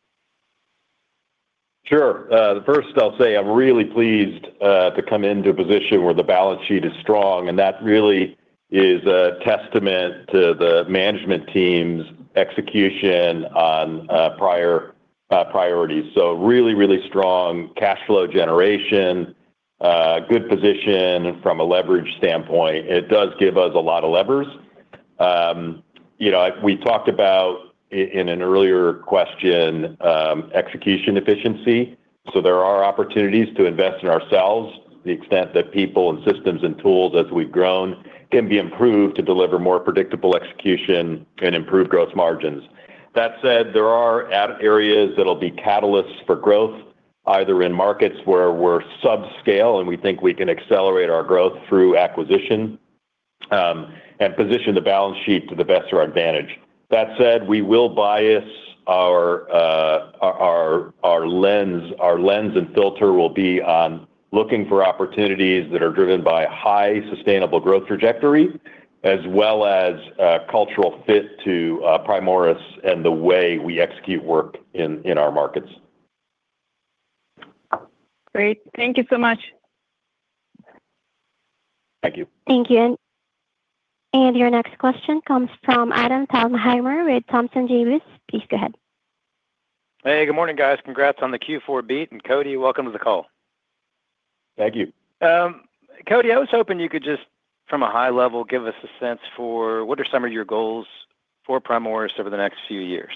Sure. First, I'll say I'm really pleased to come into a position where the balance sheet is strong, and that really is a testament to the management team's execution on prior priorities. Really, really strong cash flow generation, good position from a leverage standpoint. It does give us a lot of levers. You know, we talked about in an earlier question, execution efficiency. There are opportunities to invest in ourselves, the extent that people and systems and tools, as we've grown, can be improved to deliver more predictable execution and improve gross margins. That said, there are ad areas that'll be catalysts for growth, either in markets where we're subscale, and we think we can accelerate our growth through acquisition, and position the balance sheet to the best of our advantage. That said, we will bias our... Our lens and filter will be on looking for opportunities that are driven by high sustainable growth trajectory, as well as cultural fit to Primoris and the way we execute work in our markets.
Great. Thank you so much.
Thank you.
Thank you. Your next question comes from Adam Thalhimer with Thompson Davis. Please go ahead.
Hey, good morning, guys. Congrats on the Q4 beat. Koti, welcome to the call.
Thank you.
Koti, I was hoping you could just, from a high level, give us a sense for what are some of your goals for Primoris over the next few years?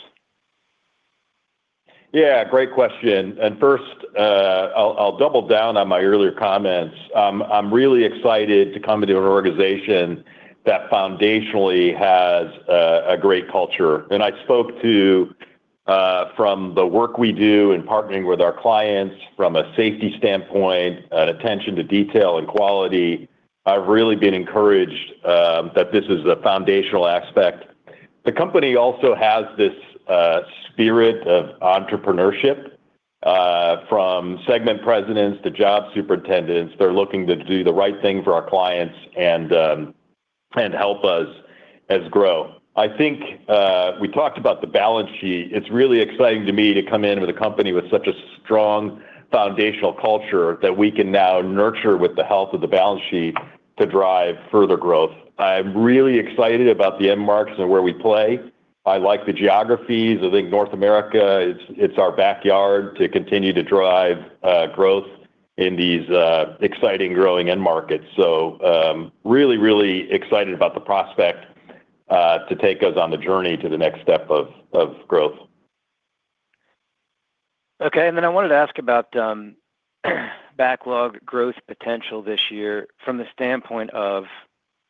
Yeah, great question. First, I'll double down on my earlier comments. I'm really excited to come into an organization that foundationally has a great culture. I spoke to from the work we do in partnering with our clients from a safety standpoint and attention to detail and quality, I've really been encouraged that this is a foundational aspect. The company also has this spirit of entrepreneurship from segment presidents to job superintendents. They're looking to do the right thing for our clients and help us as grow. I think we talked about the balance sheet. It's really exciting to me to come in with a company with such a strong foundational culture that we can now nurture with the health of the balance sheet to drive further growth. I'm really excited about the end markets and where we play. I like the geographies. I think North America, it's our backyard to continue to drive growth in these exciting, growing end markets. Really, really excited about the prospect to take us on the journey to the next step of growth.
Okay. I wanted to ask about backlog growth potential this year from the standpoint of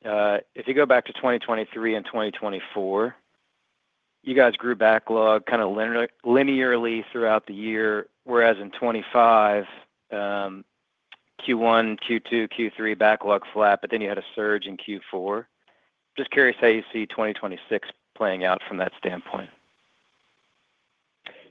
if you go back to 2023 and 2024, you guys grew backlog kind of linearly throughout the year, whereas in 2025, Q1, Q2, Q3, backlog flat, but then you had a surge in Q4. Just curious how you see 2026 playing out from that standpoint?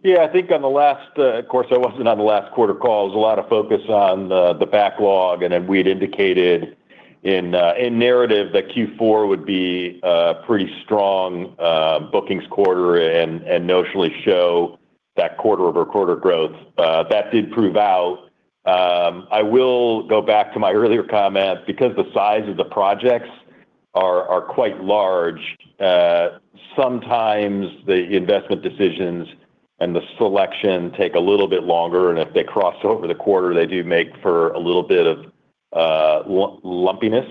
I think on the last course, I wasn't on the last quarter call. There was a lot of focus on the backlog, and then we'd indicated in narrative that Q4 would be a pretty strong bookings quarter and, notionally show that quarter-over-quarter growth. That did prove out. I will go back to my earlier comments. Because the size of the projects are quite large, sometimes the investment decisions and the selection take a little bit longer, and if they cross over the quarter, they do make for a little bit of lumpiness.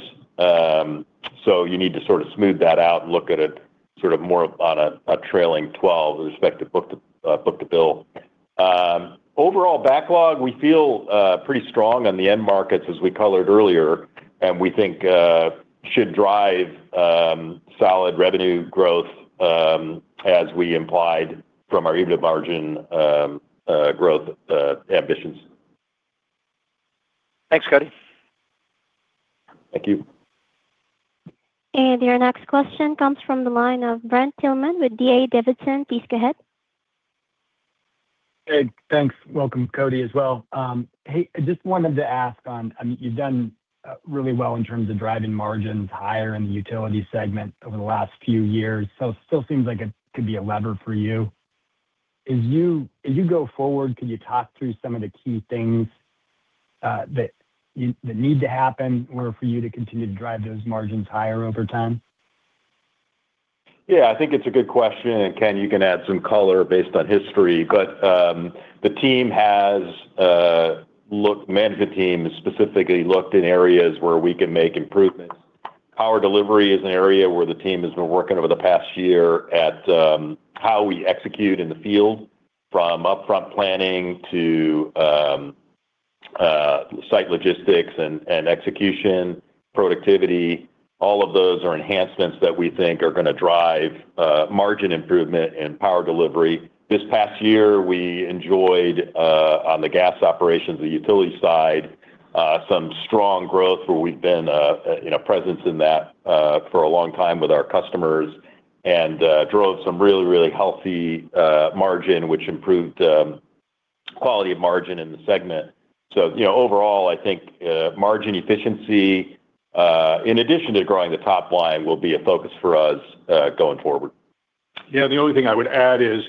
You need to sort of smooth that out and look at it sort of more on a trailing twelve with respect to book to, book-to-bill. Overall backlog, we feel pretty strong on the end markets as we colored earlier, and we think should drive solid revenue growth, as we implied from our EBITDA margin growth ambitions.
Thanks, Koti.
Thank you.
Your next question comes from the line of Brent Thielman with D.A. Davidson. Please go ahead.
Hey, thanks. Welcome, Koti, as well. Hey, I just wanted to ask I mean, you've done really well in terms of driving margins higher in the utility segment over the last few years. It still seems like it could be a lever for you. As you go forward, could you talk through some of the key things that need to happen in order for you to continue to drive those margins higher over time?
Yeah, I think it's a good question, Ken, you can add some color based on history. The team has management team specifically looked in areas where we can make improvements. Power delivery is an area where the team has been working over the past year at how we execute in the field, from upfront planning to site logistics and execution, productivity. All of those are enhancements that we think are going to drive margin improvement and power delivery. This past year, we enjoyed on the gas operations, the utility side, some strong growth where we've been, you know, presence in that for a long time with our customers, and drove some really healthy margin, which improved quality of margin in the segment. you know, overall, I think, margin efficiency, in addition to growing the top line, will be a focus for us, going forward.
Yeah, the only thing I would add is,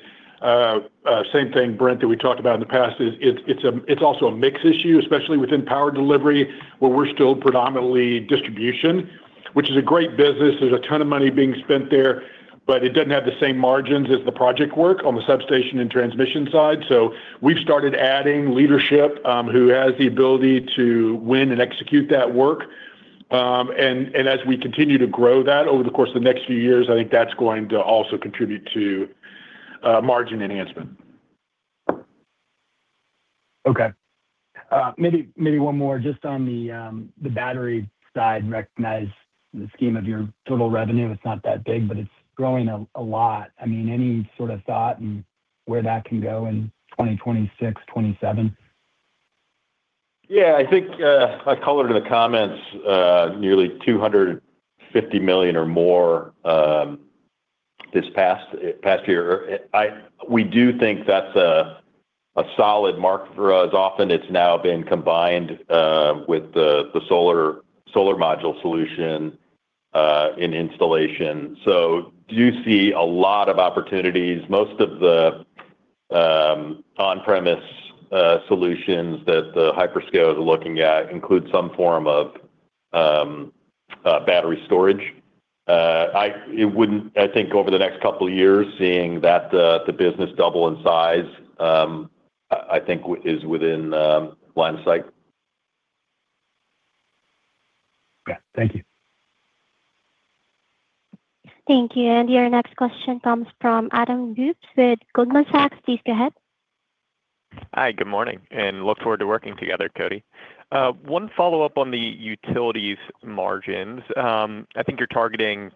same thing, Brent, that we talked about in the past, it's also a mix issue, especially within power delivery, where we're still predominantly distribution, which is a great business. There's a ton of money being spent there, it doesn't have the same margins as the project work on the substation and transmission side. We've started adding leadership, who has the ability to win and execute that work. And as we continue to grow that over the course of the next few years, I think that's going to also contribute to margin enhancement.
Okay. Maybe one more just on the battery side. Recognize the scheme of your total revenue, it's not that big, but it's growing a lot. I mean, any sort of thought in where that can go in 2026, 2027?
Yeah, I think, I colored in the comments, nearly $250 million or more, this past year. We do think that's a solid mark for us. Often, it's now been combined with the solar module solution in installation. Do you see a lot of opportunities? Most of the on-premise solutions that the hyperscalers are looking at include some form of battery storage. I think over the next couple of years, seeing that the business double in size, I think is within line of sight.
Okay. Thank you.
Thank you. Your next question comes from Adam Uhlmann with Goldman Sachs. Please go ahead.
Hi, good morning, and look forward to working together, Koti. One follow-up on the utilities margins. I think you're targeting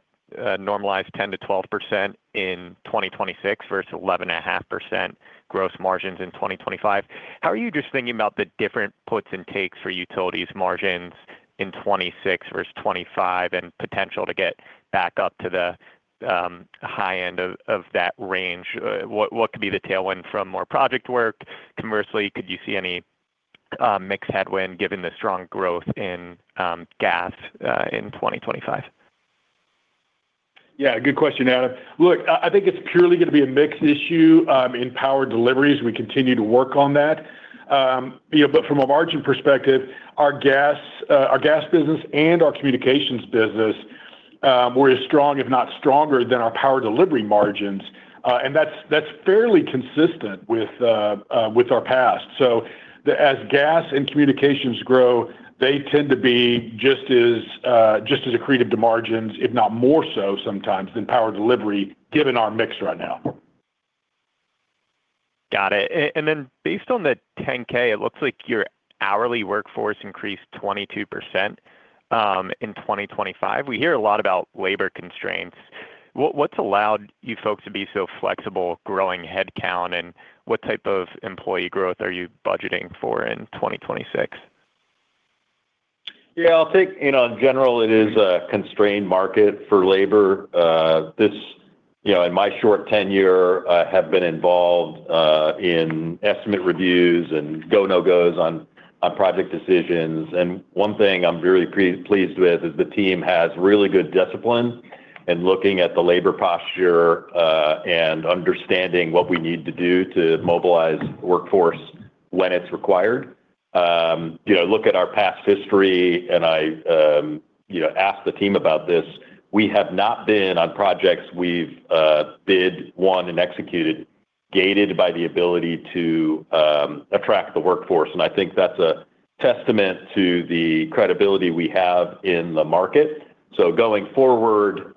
normalized 10% - 12% in 2026 versus 11.5% gross margins in 2025. How are you just thinking about the different puts and takes for utilities margins in 2026 versus 2025 and potential to get back up to the high end of that range? What could be the tailwind from more project work? Commercially, could you see any mixed headwind given the strong growth in gas in 2025?
Yeah, good question, Adam. Look, I think it's purely going to be a mixed issue, in power deliveries. We continue to work on that. But from a margin perspective, our gas business and our communications business, were as strong, if not stronger, than our power delivery margins, and that's fairly consistent with our past. As gas and communications grow, they tend to be just as accretive to margins, if not more so sometimes than power delivery, given our mix right now.
Got it. Then based on the 10-K, it looks like your hourly workforce increased 22% in 2025. We hear a lot about labor constraints. What's allowed you folks to be so flexible growing headcount, and what type of employee growth are you budgeting for in 2026?
Yeah, I'll take, you know, in general, it is a constrained market for labor. This, you know, in my short tenure, I have been involved, in estimate reviews and go, no-gos on project decisions. One thing I'm really pleased with is the team has really good discipline in looking at the labor posture, and understanding what we need to do to mobilize workforce when it's required. You know, look at our past history, and I, you know, asked the team about this. We have not been on projects we've bid, won, and executed, gated by the ability to attract the workforce, and I think that's a testament to the credibility we have in the market. Going forward,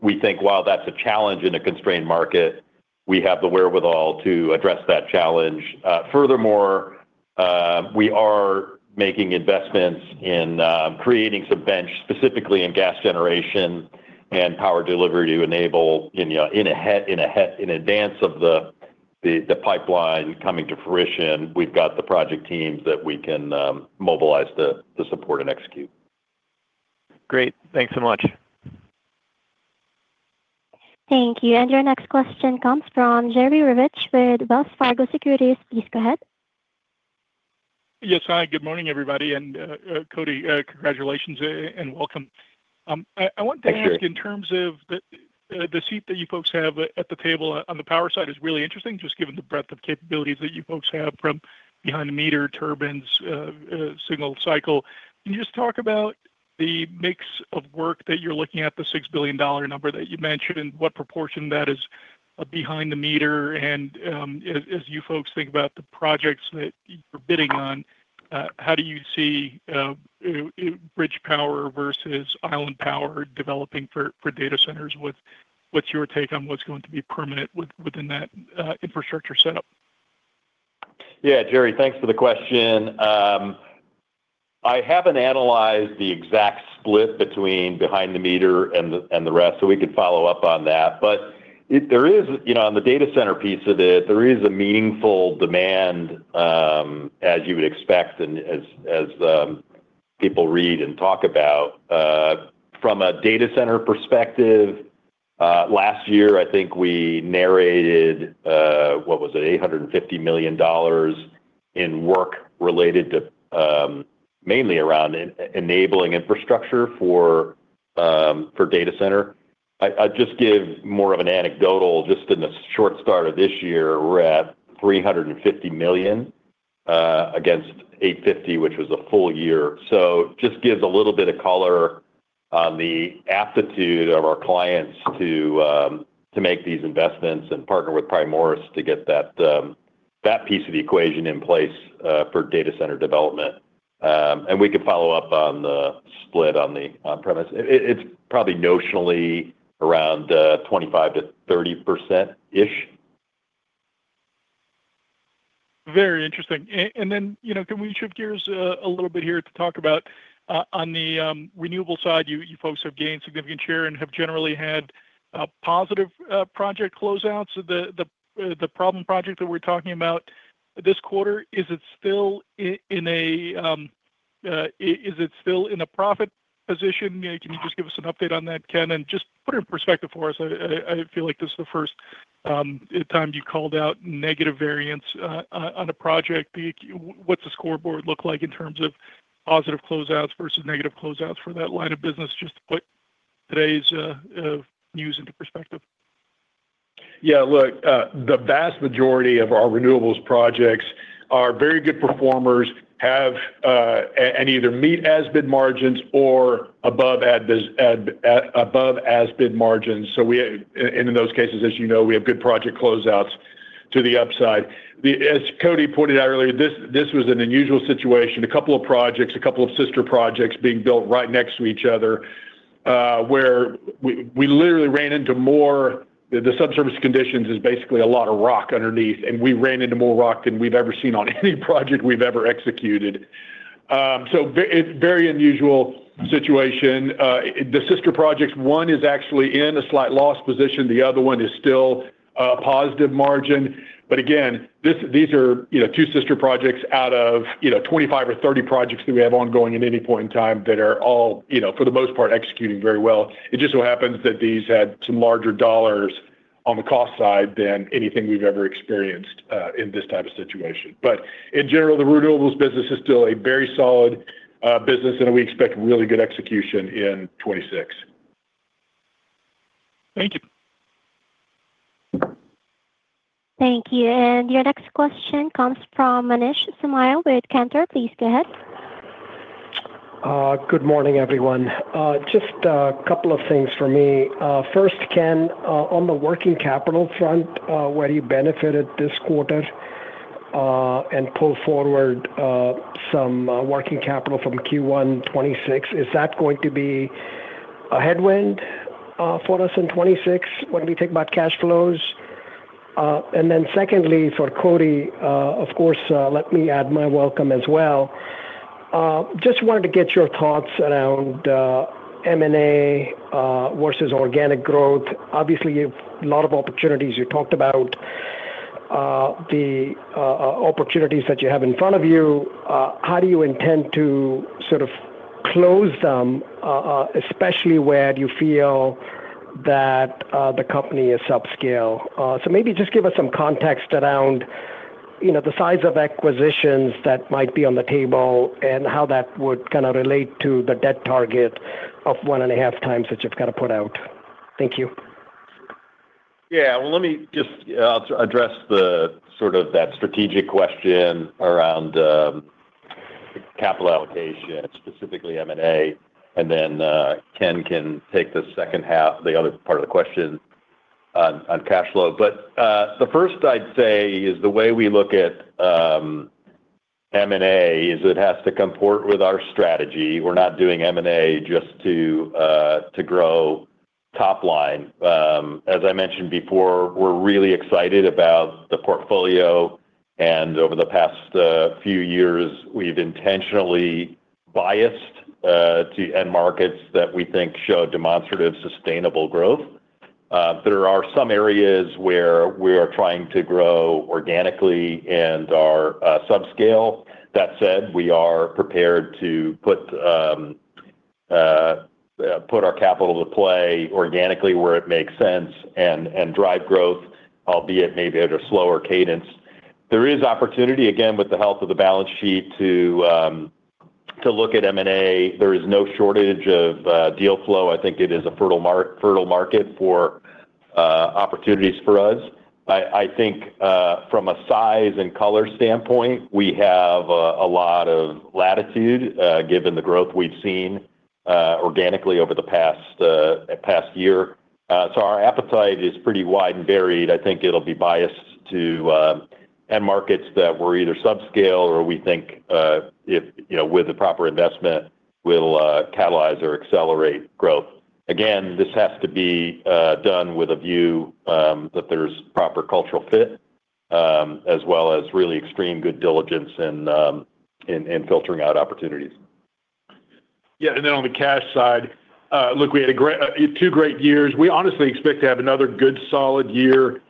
we think while that's a challenge in a constrained market, we have the wherewithal to address that challenge. Furthermore, we are making investments in creating some bench, specifically in gas generation and power delivery, to enable, you know, in advance of the pipeline coming to fruition. We've got the project teams that we can mobilize to support and execute.
Great. Thanks so much.
Thank you. Your next question comes from Jerry Revich with Wells Fargo Securities. Please go ahead.
Yes. Hi, good morning, everybody, and Koti, congratulations and welcome.
Thank you.
ask in terms of the seat that you folks have at the table on the power side is really interesting, just given the breadth of capabilities that you folks have from behind the meter, turbines, single cycle. Can you just talk about the mix of work that you're looking at, the $6 billion number that you mentioned, and what proportion that is behind the meter? As you folks think about the projects that you're bidding on, how do you see bridge power versus island power developing for data centers? What's your take on what's going to be permanent within that infrastructure setup?
Yeah, Jerry, thanks for the question. I haven't analyzed the exact split between behind the meter and the rest, so we could follow up on that. There is. You know, on the data center piece of it, there is a meaningful demand, as you would expect and as people read and talk about. From a data center perspective, last year, I think we narrated, what was it? $850 million in work related to mainly around enabling infrastructure for data center. I'd just give more of an anecdotal. Just in the short start of this year, we're at $350 million, against $850, which was a full year. Just gives a little bit of color on the aptitude of our clients to make these investments and partner with Primoris to get that piece of the equation in place for data center development. We can follow up on the split on the on-premise. It, it's probably notionally around 25%-30%-ish.
Very interesting. Then, you know, can we shift gears a little bit here to talk about on the renewable side? You folks have gained significant share and have generally had a positive project closeouts. The problem project that we're talking about this quarter, is it still in a profit position? You know, can you just give us an update on that, Ken, and just put it in perspective for us. I feel like this is the first time you've called out negative variance on a project. What's the scoreboard look like in terms of positive closeouts versus negative closeouts for that line of business, just to put today's news into perspective?
Look, the vast majority of our renewables projects are very good performers, have and either meet as-bid margins or above as this, as above as-bid margins. We, and in those cases, as you know, we have good project closeouts to the upside. As Koti pointed out earlier, this was an unusual situation. A couple of projects, a couple of sister projects being built right next to each other, where we literally ran into more. The subservice conditions is basically a lot of rock underneath, we ran into more rock than we've ever seen on any project we've ever executed. it's very unusual situation. The sister projects, one is actually in a slight loss position, the other one is still positive margin. Again, these are, you know, two sister projects out of, you know, 25 or 30 projects that we have ongoing at any point in time that are all, you know, for the most part, executing very well. It just so happens that these had some larger dollars on the cost side than anything we've ever experienced in this type of situation. In general, the renewables business is still a very solid business, and we expect really good execution in 2026.
Thank you.
Thank you. Your next question comes from Manish Somaiya with Cantor. Please go ahead.
Good morning, everyone. Just a couple of things for me. First, Ken, on the working capital front, where you benefited this quarter, and pull forward, some working capital from Q1 2026, is that going to be a headwind for us in 2026 when we think about cash flows? Then secondly, for Koti, of course, let me add my welcome as well. Just wanted to get your thoughts around M&A versus organic growth. Obviously, a lot of opportunities you talked about, the opportunities that you have in front of you, how do you intend to sort of close them, especially where you feel that the company is subscale? Maybe just give us some context around, you know, the size of acquisitions that might be on the table, and how that would kind of relate to the debt target of 1.5x that you've got to put out. Thank you.
Yeah. Well, let me just address the sort of that strategic question around capital allocation, specifically M&A, then Ken can take the second half, the other part of the question on cash flow. The first I'd say is the way we look at M&A is it has to comport with our strategy. We're not doing M&A just to grow top line. As I mentioned before, we're really excited about the portfolio, over the past few years, we've intentionally biased to end markets that we think show demonstrative, sustainable growth. There are some areas where we are trying to grow organically and are subscale. That said, we are prepared to put our capital to play organically where it makes sense and drive growth, albeit maybe at a slower cadence. There is opportunity, again, with the health of the balance sheet to look at M&A. There is no shortage of deal flow. I think it is a fertile market for opportunities for us. I think from a size and color standpoint, we have a lot of latitude given the growth we've seen organically over the past year. Our appetite is pretty wide and varied. I think it'll be biased to end markets that were either subscale or we think, if, you know, with the proper investment, will catalyze or accelerate growth. Again, this has to be done with a view that there's proper cultural fit as well as really extreme good diligence and in filtering out opportunities.
Yeah, on the cash side, look, we had two great years. We honestly expect to have another good solid year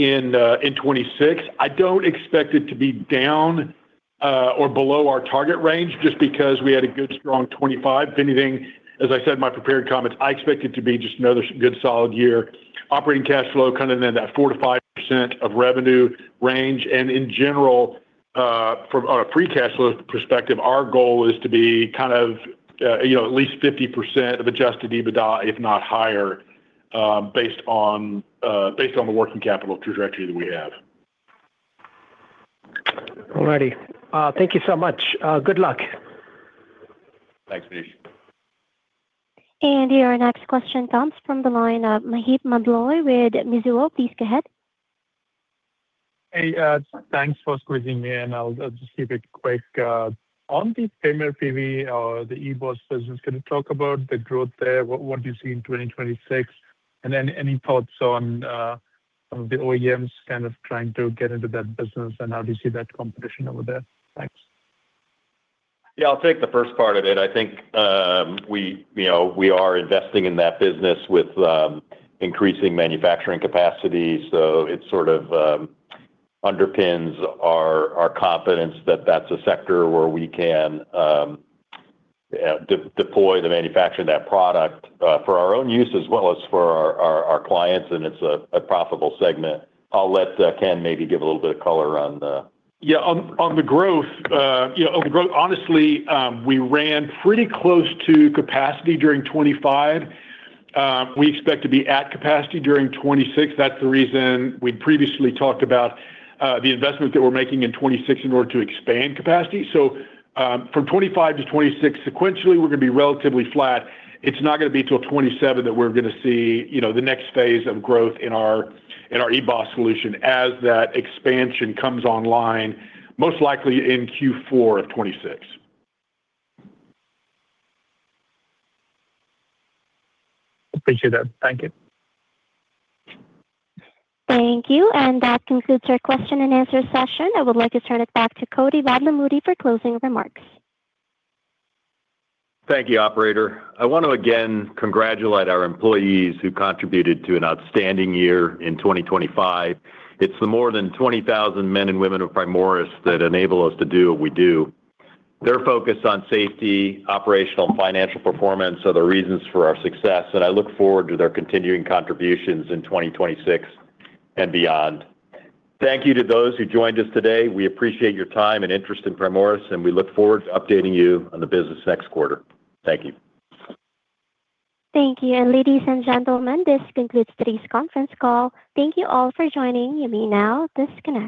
in 2026. I don't expect it to be down or below our target range just because we had a good strong 2025. If anything, as I said in my prepared comments, I expect it to be just another good solid year. Operating cash flow coming in at that 4% - 5% of revenue range, and in general, from a free cash flow perspective, our goal is to be kind of, you know, at least 50% of adjusted EBITDA, if not higher, based on, based on the working capital trajectory that we have.
All righty. Thank you so much. Good luck.
Thanks, Manish.
Your next question comes from the line of Aadit Madan with Mizuho. Please go ahead.
Hey, thanks for squeezing me in. I'll just keep it quick. On the Premier PV, the EBOS business, can you talk about the growth there? What do you see in 2026? Any thoughts on some of the OEMs kind of trying to get into that business, and how do you see that competition over there? Thanks.
Yeah, I'll take the first part of it. I think, we, you know, we are investing in that business with increasing manufacturing capacity. It sort of underpins our confidence that that's a sector where we can deploy the manufacturing that product, for our own use as well as for our clients, and it's a profitable segment. I'll let Ken maybe give a little bit of color on the-
Yeah, on the growth, you know, on the growth, honestly, we ran pretty close to capacity during 2025. We expect to be at capacity during 2026. That's the reason we previously talked about the investment that we're making in 2026 in order to expand capacity. From 2025 to 2026, sequentially, we're gonna be relatively flat. It's not gonna be till 2027 that we're gonna see, you know, the next phase of growth in our, in our EBOS solution as that expansion comes online, most likely in Q4 of 2026.
Appreciate that. Thank you.
Thank you, and that concludes our question and answer session. I would like to turn it back to Koti Vadlamudi for closing remarks.
Thank you, operator. I want to again congratulate our employees who contributed to an outstanding year in 2025. It's the more than 20,000 men and women of Primoris that enable us to do what we do. Their focus on safety, operational, financial performance are the reasons for our success, and I look forward to their continuing contributions in 2026 and beyond. Thank you to those who joined us today. We appreciate your time and interest in Primoris, and we look forward to updating you on the business next quarter. Thank you.
Thank you. Ladies and gentlemen, this concludes today's conference call. Thank you all for joining. You may now disconnect.